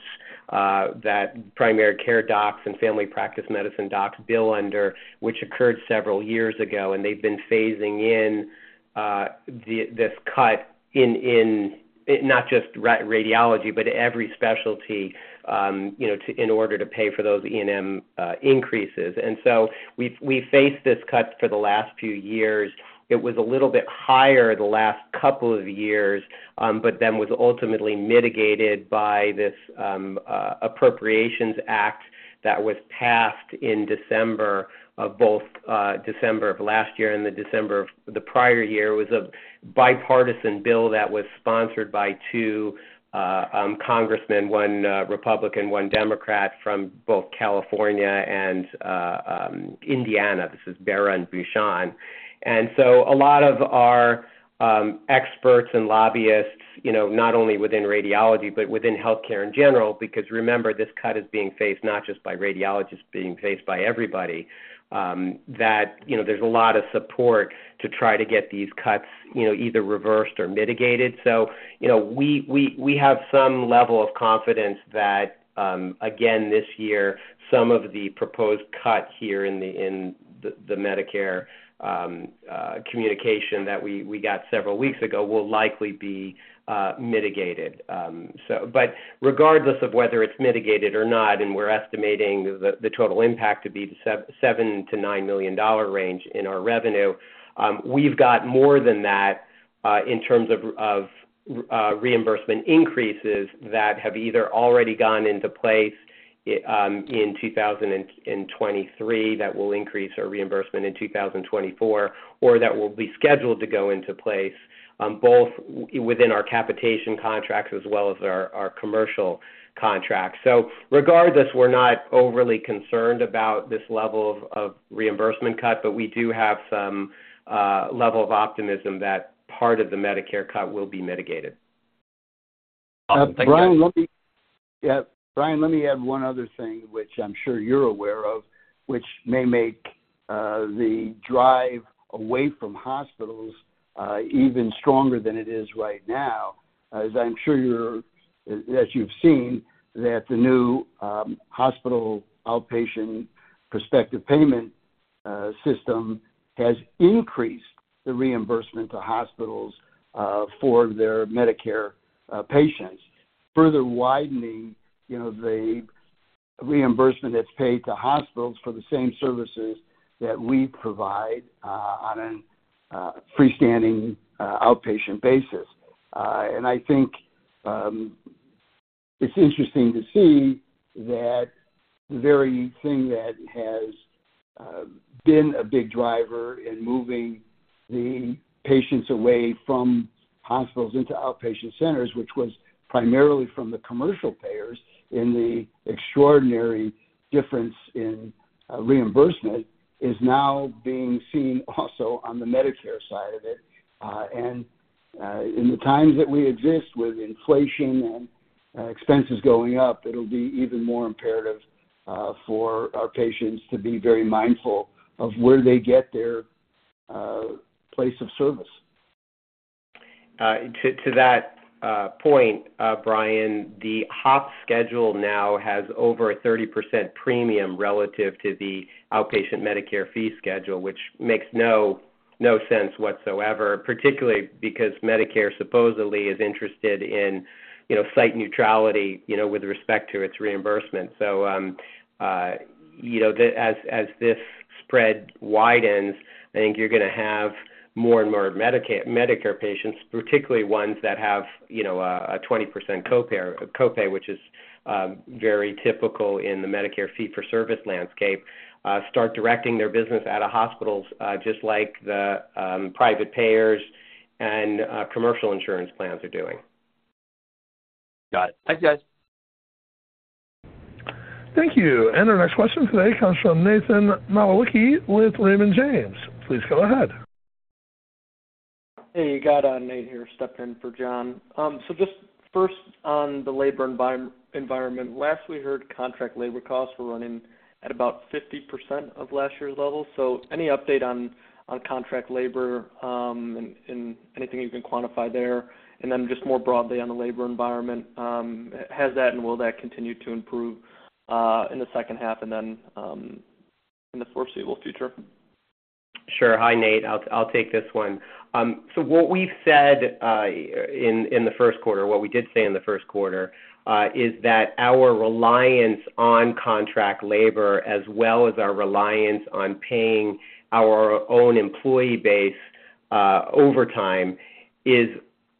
that primary care docs and family practice medicine docs bill under, which occurred several years ago, and they've been phasing in this cut in not just radiology, but every specialty, you know, in order to pay for those E&M increases. We've faced this cut for the last few years. It was a little bit higher the last couple of years, but then was ultimately mitigated by this Appropriations Act that was passed in December of both December of last year and the December of the prior year. It was a bipartisan bill that was sponsored by two congressmen, one Republican, one Democrat, from both California and Indiana. This is Bera and Bucshon. A lot of our experts and lobbyists, you know, not only within radiology, but within healthcare in general, because remember, this cut is being faced not just by radiologists, being faced by everybody, that, you know, there's a lot of support to try to get these cuts, you know, either reversed or mitigated. You know, we, we, we have some level of confidence that again, this year, some of the proposed cuts here in the, in the, the Medicare communication that we, we got several weeks ago will likely be mitigated. Regardless of whether it's mitigated or not, and we're estimating the, the total impact to be $7 million-$9 million range in our revenue, we've got more than that in terms of, of reimbursement increases that have either already gone into place in 2023, that will increase our reimbursement in 2024, or that will be scheduled to go into place, both within our capitation contracts as well as our, our commercial contracts. Regardless, we're not overly concerned about this level of, of reimbursement cut, but we do have some level of optimism that part of the Medicare cut will be mitigated. Awesome. Thank you. Brian, let me. Yeah, Brian, let me add one other thing, which I'm sure you're aware of, which may make the drive away from hospitals even stronger than it is right now. As I'm sure you're, as you've seen, that the new, Hospital Outpatient Prospective Payment System has increased the reimbursement to hospitals for their Medicare patients, further widening, you know, the potential-... reimbursement that's paid to hospitals for the same services that we provide on an freestanding outpatient basis. I think, it's interesting to see that the very thing that has been a big driver in moving the patients away from hospitals into outpatient centers, which was primarily from the commercial payers in the extraordinary difference in reimbursement, is now being seen also on the Medicare side of it. In the times that we exist, with inflation and expenses going up, it'll be even more imperative for our patients to be very mindful of where they get their place of service. To, to that point, Brian, the HOPPS schedule now has over a 30% premium relative to the outpatient Medicare fee schedule, which makes no, no sense whatsoever, particularly because Medicare supposedly is interested in, you know, site neutrality, you know, with respect to its reimbursement. You know, the-- as, as this spread widens, I think you're gonna have more and more Medicare patients, particularly ones that have, you know, a 20% copay, copay, which is very typical in the Medicare fee-for-service landscape, start directing their business out of hospitals, just like the private payers and commercial insurance plans are doing. Got it. Thanks, guys. Thank you. Our next question today comes from Nathan Malicki with Raymond James. Please go ahead. Hey, got on, Nate here, stepping in for John. Just first on the labor environment, last we heard, contract labor costs were running at about 50% of last year's level. Any update on, on contract labor, and anything you can quantify there? Then just more broadly on the labor environment, has that and will that continue to improve in the second half and then in the foreseeable future? Sure. Hi, Nate. I'll, I'll take this one. What we've said in the first quarter, what we did say in the first quarter, is that our reliance on contract labor, as well as our reliance on paying our own employee base, overtime, is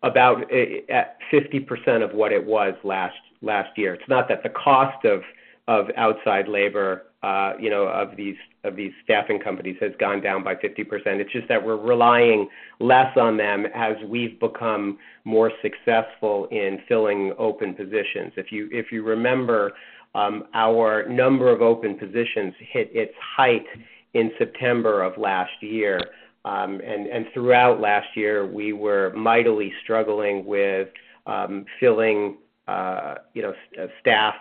about at 50% of what it was last year. It's not that the cost of, of outside labor, you know, of these, of these staffing companies has gone down by 50%. It's just that we're relying less on them as we've become more successful in filling open positions. If you remember, our number of open positions hit its height in September of last year. Throughout last year, we were mightily struggling with filling, you know, staff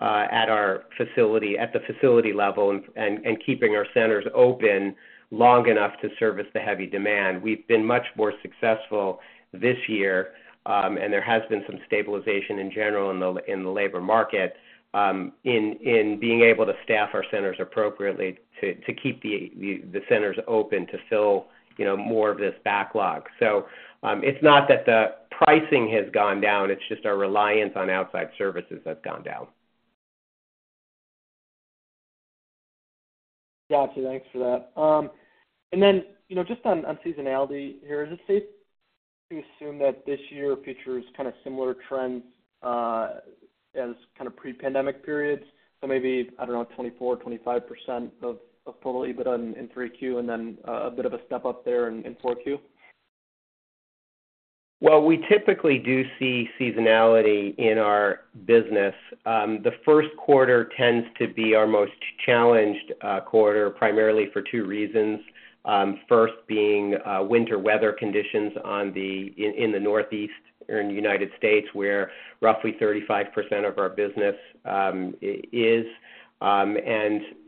at our facility, at the facility level and keeping our centers open long enough to service the heavy demand. We've been much more successful this year, and there has been some stabilization in general in the labor market, in being able to staff our centers appropriately to keep the centers open, to fill, you know, more of this backlog. It's not that the pricing has gone down, it's just our reliance on outside services has gone down. Got you. Thanks for that. Then, you know, just on seasonality here, is it safe to assume that this year features kind of similar trends as kind of pre-pandemic periods? Maybe, I don't know, 24%-25% of total EBITDA in 3Q, and then a bit of a step up there in 4Q? Well, we typically do see seasonality in our business. The first quarter tends to be our most challenged quarter, primarily for two reasons. First being winter weather conditions in the Northeast or in the United States, where roughly 35% of our business is.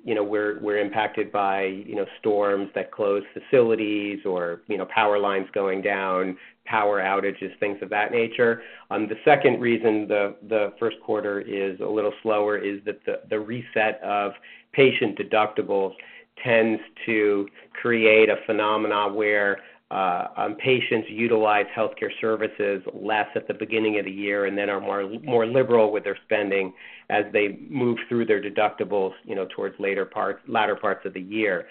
You know, we're, we're impacted by, you know, storms that close facilities or, you know, power lines going down, power outages, things of that nature. The second reason the first quarter is a little slower is that the reset of patient deductibles tends to create a phenomenon where patients utilize healthcare services less at the beginning of the year and then are more, more liberal with their spending as they move through their deductibles, you know, towards latter parts of the year.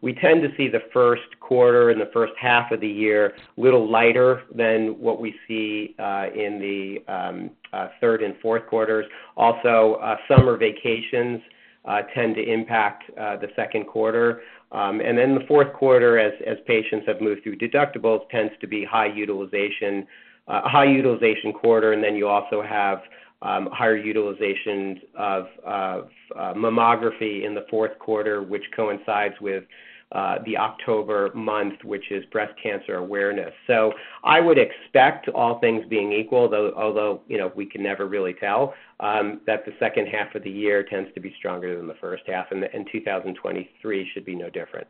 We tend to see the first quarter and the first half of the year a little lighter than what we see in the third and fourth quarters. Summer vacations tend to impact the second quarter. The fourth quarter, as patients have moved through deductibles, tends to be high utilization, a high utilization quarter, and then you also have higher utilization of mammography in the fourth quarter, which coincides with the October month, which is breast cancer awareness. I would expect all things being equal, though, although, you know, we can never really tell, that the second half of the year tends to be stronger than the first half, and 2023 should be no different.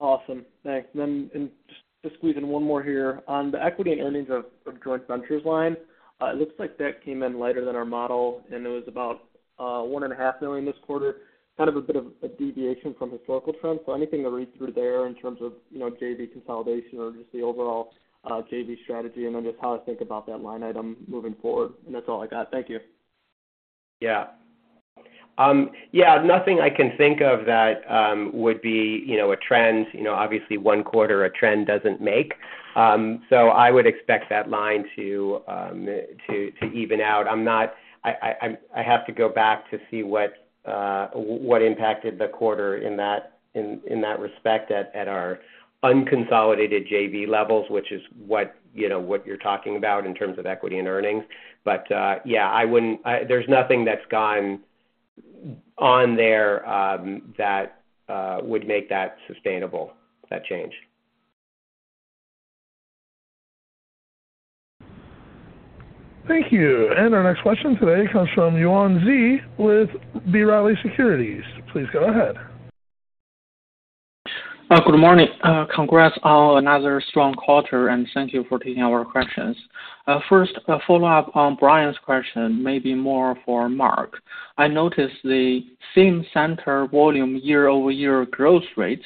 Awesome. Thanks. Just to squeeze in one more here. On the equity and earnings of joint ventures line, it looks like that came in lighter than our model, and it was about- $1.5 million this quarter, kind of a bit of a deviation from historical trends. Anything to read through there in terms of, you know, JV consolidation or just the overall JV strategy, and then just how to think about that line item moving forward? That's all I got. Thank you. Yeah. Yeah, nothing I can think of that would be, you know, a trend. You know, obviously, one quarter a trend doesn't make. I would expect that line to, to, to even out. I have to go back to see what impacted the quarter in that, in, in that respect at, at our unconsolidated JV levels, which is what, you know, what you're talking about in terms of equity and earnings. There's nothing that's gone on there that would make that sustainable, that change. Thank you. Our next question today comes from Yuan Zhi with B. Riley Securities. Please go ahead. Good morning. Congrats on another strong quarter, and thank you for taking our questions. First, a follow-up on Brian's question, maybe more for Mark. I noticed the same center volume year-over-year growth rate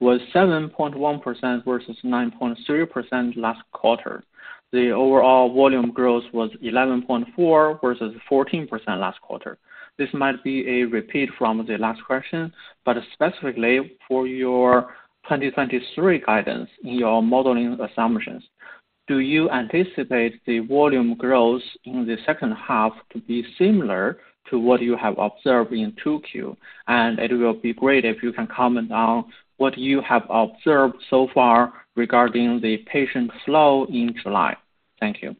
was 7.1% versus 9.3% last quarter. The overall volume growth was 11.4 versus 14% last quarter. This might be a repeat from the last question, but specifically for your 2023 guidance in your modeling assumptions, do you anticipate the volume growth in the second half to be similar to what you have observed in 2Q? It will be great if you can comment on what you have observed so far regarding the patient flow in July. Thank you.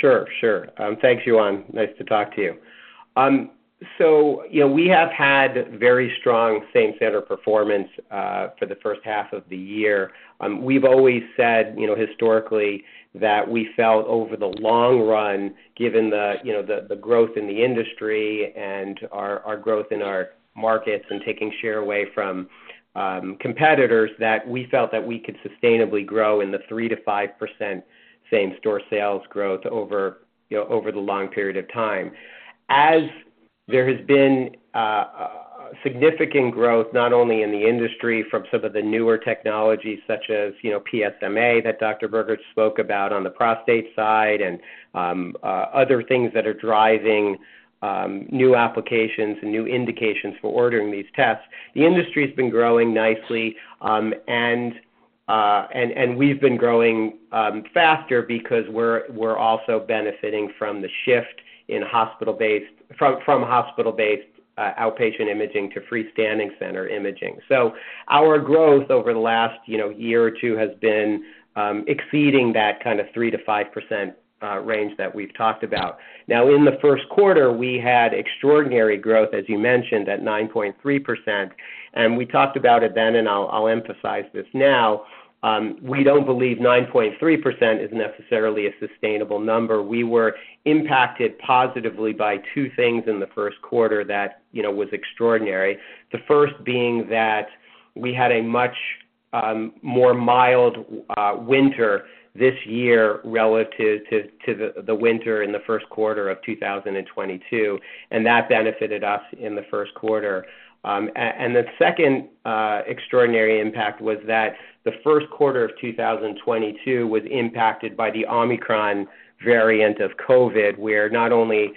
Sure, sure. thanks, Yuan. Nice to talk to you. You know, we have had very strong same-center performance for the first half of the year. We've always said, you know, historically, that we felt over the long run, given the, you know, the, the growth in the industry and our, our growth in our markets and taking share away from competitors, that we felt that we could sustainably grow in the 3%-5% same-store sales growth over, you know, over the long period of time. As there has been significant growth, not only in the industry from some of the newer technologies such as, you know, PSMA, that Dr. Berger spoke about on the prostate side and other things that are driving new applications and new indications for ordering these tests. The industry's been growing nicely, and, and we've been growing faster because we're, we're also benefiting from the shift in hospital-based... from, from hospital-based, outpatient imaging to freestanding center imaging. Our growth over the last, you know, year or two has been exceeding that kind of 3%-5% range that we've talked about. In the first quarter, we had extraordinary growth, as you mentioned, at 9.3%, and we talked about it then, and I'll, I'll emphasize this now. We don't believe 9.3% is necessarily a sustainable number. We were impacted positively by two things in the first quarter that, you know, was extraordinary. The first being that we had a much more mild winter this year relative to, to the, the winter in the first quarter of 2022. That benefited us in the first quarter. The second extraordinary impact was that the first quarter of 2022 was impacted by the Omicron variant of COVID, where not only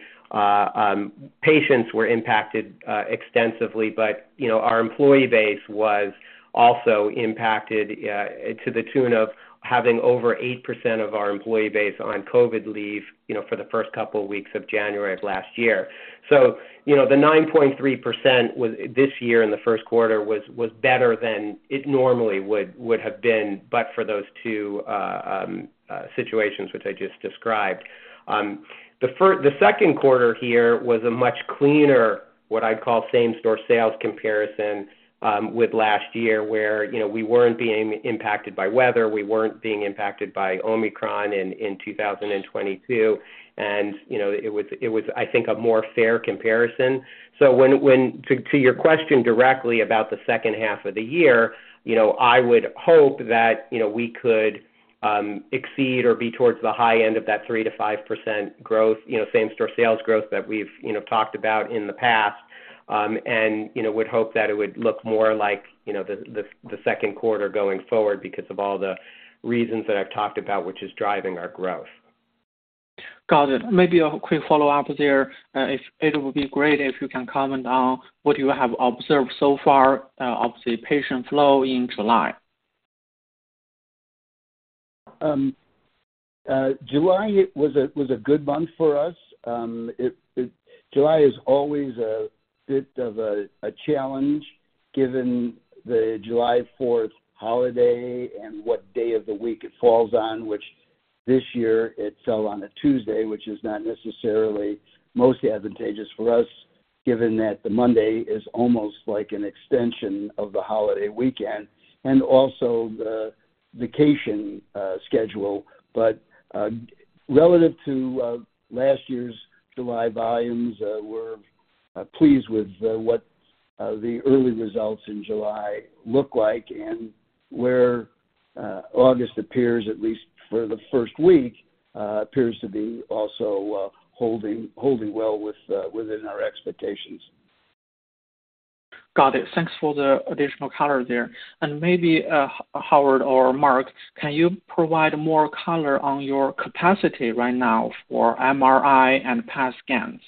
patients were impacted extensively, but, you know, our employee base was also impacted to the tune of having over 8% of our employee base on COVID leave, you know, for the first couple of weeks of January of last year. You know, the 9.3% was, this year in the first quarter, was better than it normally would have been, but for those two situations which I just described. The second quarter here was a much cleaner, what I'd call same-store sales comparison, with last year, where, you know, we weren't being impacted by weather, we weren't being impacted by Omicron in 2022. You know, it was, it was, I think, a more fair comparison. To your question directly about the second half of the year, you know, I would hope that, you know, we could exceed or be towards the high end of that 3%-5% growth, you know, same-store sales growth that we've, you know, talked about in the past. You know, would hope that it would look more like, you know, the, the, the second quarter going forward because of all the reasons that I've talked about, which is driving our growth. Got it. Maybe a quick follow-up there. If it would be great if you can comment on what you have observed so far, of the patient flow in July? July was a good month for us. July is always a bit of a challenge, given the July Fourth holiday and what day of the week it falls on, which this year it fell on a Tuesday, which is not necessarily most advantageous for us, given that the Monday is almost like an extension of the holiday weekend, and also the vacation schedule. Relative to last year's July volumes, we're pleased with the early results in July look like, and where August appears, at least for the first week, appears to be also holding, holding well with within our expectations. Got it. Thanks for the additional color there. Maybe Howard or Mark, can you provide more color on your capacity right now for MRI and PET scans?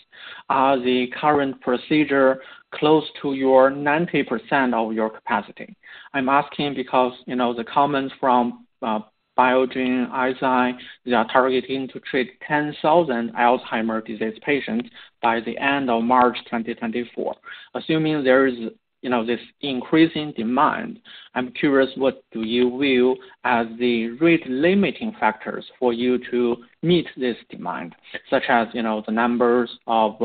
Are the current procedure close to your 90% of your capacity? I'm asking because, you know, the comments from Biogen, Eisai, they are targeting to treat 10,000 Alzheimer's disease patients by the end of March 2024. Assuming there is, you know, this increasing demand, I'm curious, what do you view as the rate-limiting factors for you to meet this demand, such as, you know, the numbers of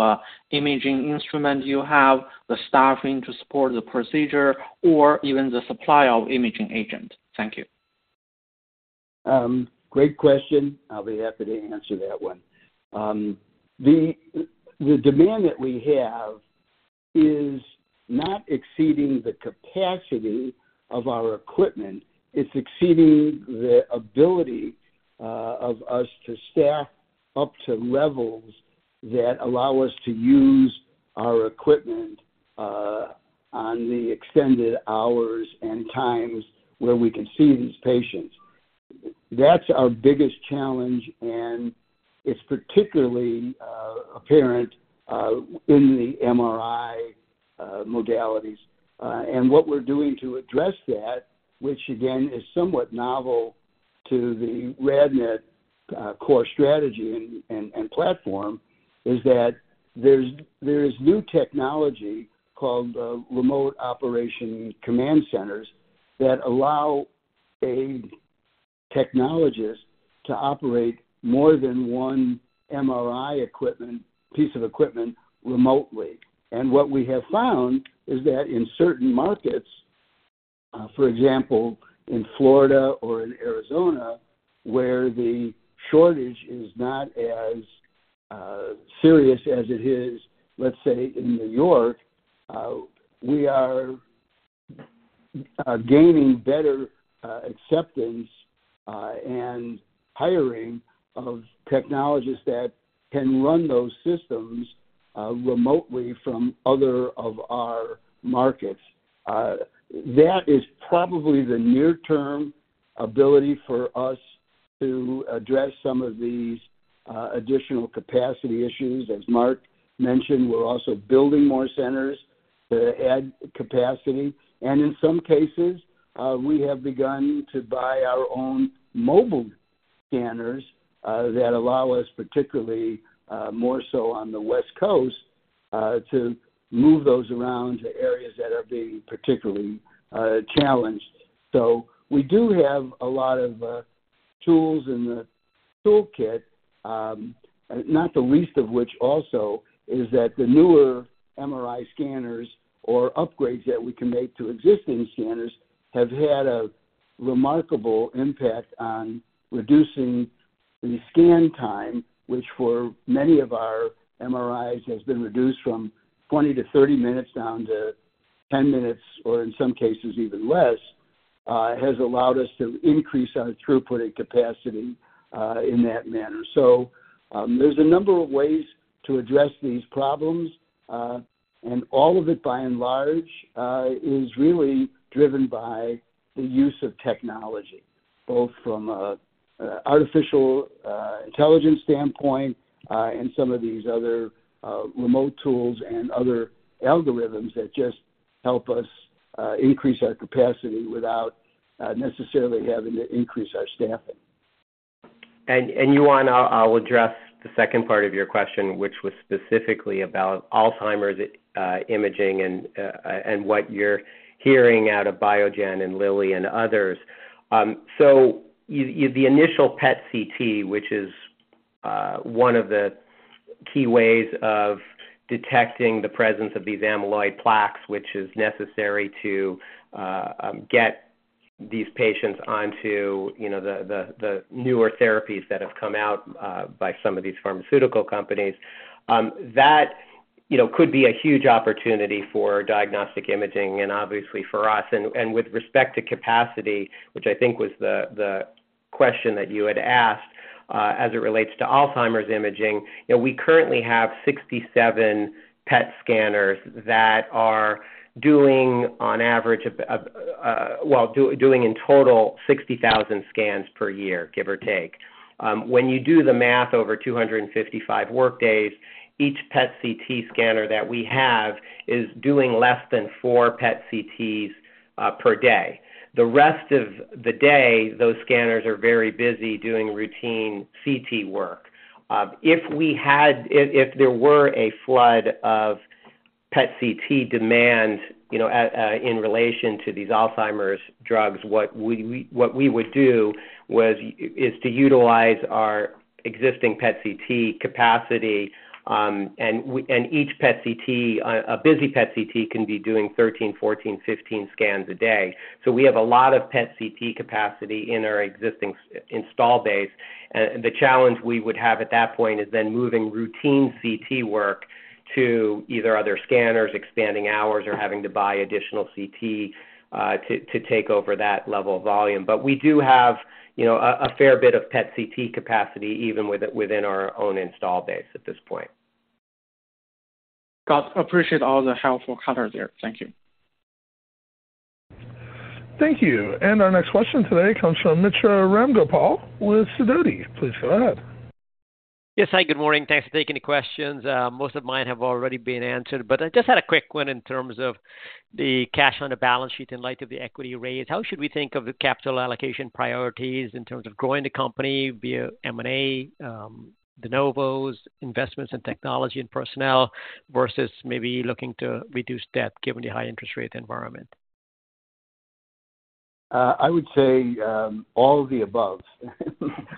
imaging instruments you have, the staffing to support the procedure, or even the supply of imaging agent? Thank you. Great question. I'll be happy to answer that one. The demand that we have is not exceeding the capacity of our equipment. It's exceeding the ability of us to staff up to levels that allow us to use our equipment on the extended hours and times where we can see these patients. That's our biggest challenge, and it's particularly apparent in the MRI modalities. What we're doing to address that, which again, is somewhat novel to the RadNet core strategy and platform, is that there is new technology called remote operation command centers, that allow a technologist to operate more than one MRI equipment, piece of equipment remotely. What we have found is that in certain markets, for example, in Florida or in Arizona, where the shortage is not as serious as it is, let's say, in New York, we are gaining better acceptance and hiring of technologists that can run those systems remotely from other of our markets. That is probably the near-term ability for us to address some of these additional capacity issues. As Mark mentioned, we're also building more centers to add capacity, and in some cases, we have begun to buy our own mobile scanners that allow us, particularly, more so on the West Coast, to move those around to areas that are being particularly challenged. We do have a lot of tools in the toolkit, not the least of which also is that the newer MRI scanners or upgrades that we can make to existing scanners, have had a remarkable impact on reducing the scan time, which for many of our MRIs, has been reduced from 20 minutes-30 minutes down to 10 minutes, or in some cases, even less, has allowed us to increase our throughput and capacity in that manner. There's a number of ways to address these problems, and all of it, by and large, is really driven by the use of technology, both from a artificial intelligence standpoint, and some of these other remote tools and other algorithms that just help us increase our capacity without necessarily having to increase our staffing. Yuan, I'll, I'll address the second part of your question, which was specifically about Alzheimer's imaging and what you're hearing out of Biogen and Lilly and others. You the initial PET CT, which is one of the key ways of detecting the presence of these amyloid plaques, which is necessary to get these patients onto, you know, the, the, the newer therapies that have come out by some of these pharmaceutical companies, that, you know, could be a huge opportunity for diagnostic imaging and obviously for us. With respect to capacity, which I think was the question that you had asked as it relates to Alzheimer's imaging, you know, we currently have 67 PET scanners that are doing, on average... Well, doing in total, 60,000 scans per year, give or take. When you do the math over 255 work days, each PET CT scanner that we have is doing less than 4 PET CTs per day. The rest of the day, those scanners are very busy doing routine CT work. If we had, if, if there were a flood of PET CT demand, you know, in relation to these Alzheimer's drugs, what we, we, what we would do was, is to utilize our existing PET CT capacity, and each PET CT, a busy PET CT can be doing 13 scans, 14 scans, 15 scans a day. We have a lot of PET CT capacity in our existing install base. The challenge we would have at that point is then moving routine CT work to either other scanners, expanding hours, or having to buy additional CT to take over that level of volume. We do have, you know, a fair bit of PET CT capacity, even within our own install base at this point. ... Scott, appreciate all the help for Carter there. Thank you. Thank you. Our next question today comes from Mitra Ramgopal with Sidoti. Please go ahead. Yes. Hi, good morning. Thanks for taking the questions. Most of mine have already been answered, but I just had a quick one in terms of the cash on the balance sheet in light of the equity raise. How should we think of the capital allocation priorities in terms of growing the company via M&A, de novos, investments in technology and personnel, versus maybe looking to reduce debt given the high interest rate environment? I would say, all of the above,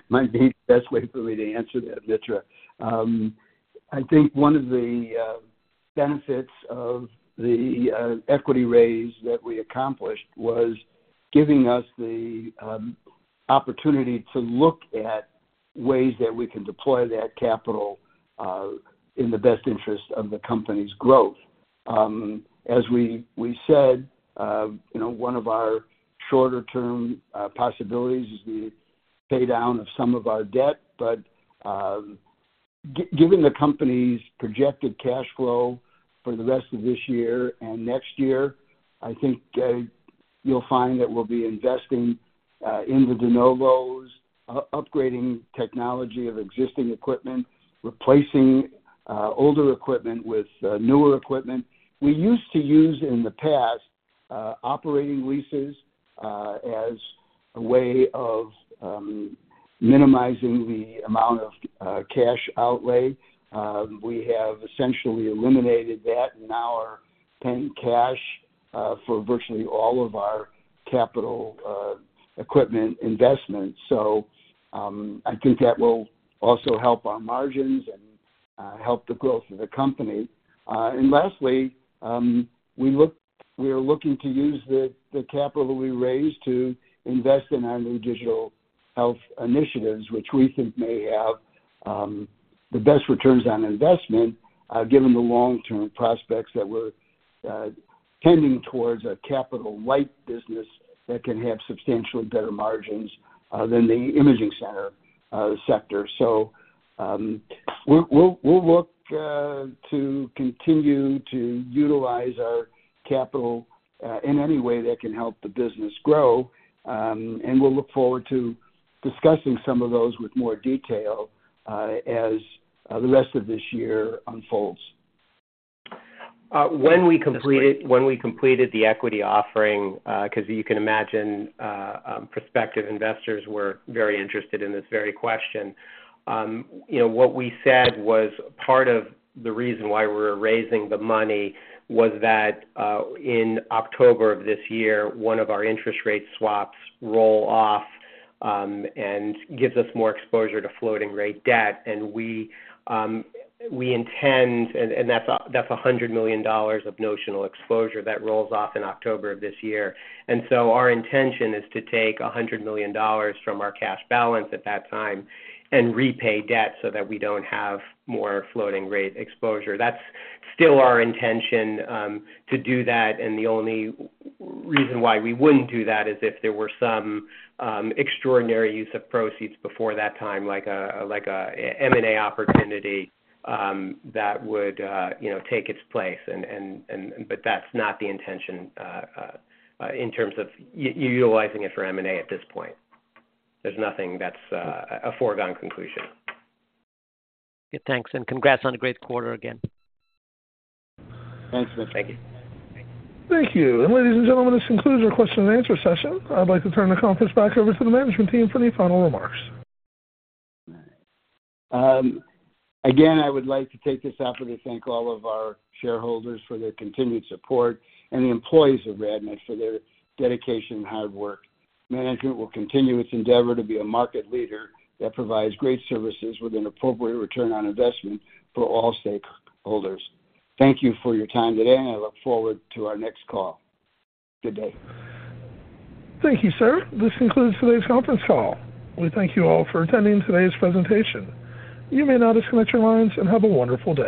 might be the best way for me to answer that, Mitra. I think one of the benefits of the equity raise that we accomplished was giving us the opportunity to look at ways that we can deploy that capital in the best interest of the company's growth. As we, we said, you know, one of our shorter-term possibilities is the pay down of some of our debt, but given the company's projected cash flow for the rest of this year and next year, I think, you'll find that we'll be investing in the de novos, upgrading technology of existing equipment, replacing older equipment with newer equipment. We used to use, in the past, operating leases, as a way of minimizing the amount of cash outlay. We have essentially eliminated that and now are paying cash for virtually all of our capital equipment investments. I think that will also help our margins and help the growth of the company. Lastly, we are looking to use the capital we raised to invest in our new digital health initiatives, which we think may have the best returns on investment, given the long-term prospects that we're tending towards a capital-light business that can have substantially better margins than the imaging center sector. We'll, we'll, we'll look to continue to utilize our capital in any way that can help the business grow. We'll look forward to discussing some of those with more detail, as the rest of this year unfolds. When we completed- when we completed the equity offering, because you can imagine, prospective investors were very interested in this very question. You know, what we said was, part of the reason why we're raising the money was that, in October of this year, one of our interest rate swaps roll off, and gives us more exposure to floating rate debt. We, we intend... And, and that's a, that's a $100 million of notional exposure that rolls off in October of this year. Our intention is to take $100 million from our cash balance at that time and repay debt so that we don't have more floating rate exposure. That's still our intention, to do that. The only reason why we wouldn't do that is if there were some extraordinary use of proceeds before that time, like a, like a M&A opportunity that would, you know, take its place. And, and, and that's not the intention in terms of utilizing it for M&A at this point. There's nothing that's a foregone conclusion. Okay, thanks. Congrats on a great quarter again. Thanks, Mitra. Thank you. Thank you. Ladies and gentlemen, this concludes our question and answer session. I'd like to turn the conference back over to the management team for any final remarks. Again, I would like to take this opportunity to thank all of our shareholders for their continued support, and the employees of RadNet for their dedication and hard work. Management will continue its endeavor to be a market leader that provides great services with an appropriate return on investment for all stakeholders. Thank you for your time today, and I look forward to our next call. Good day. Thank you, sir. This concludes today's conference call. We thank you all for attending today's presentation. You may now disconnect your lines, and have a wonderful day.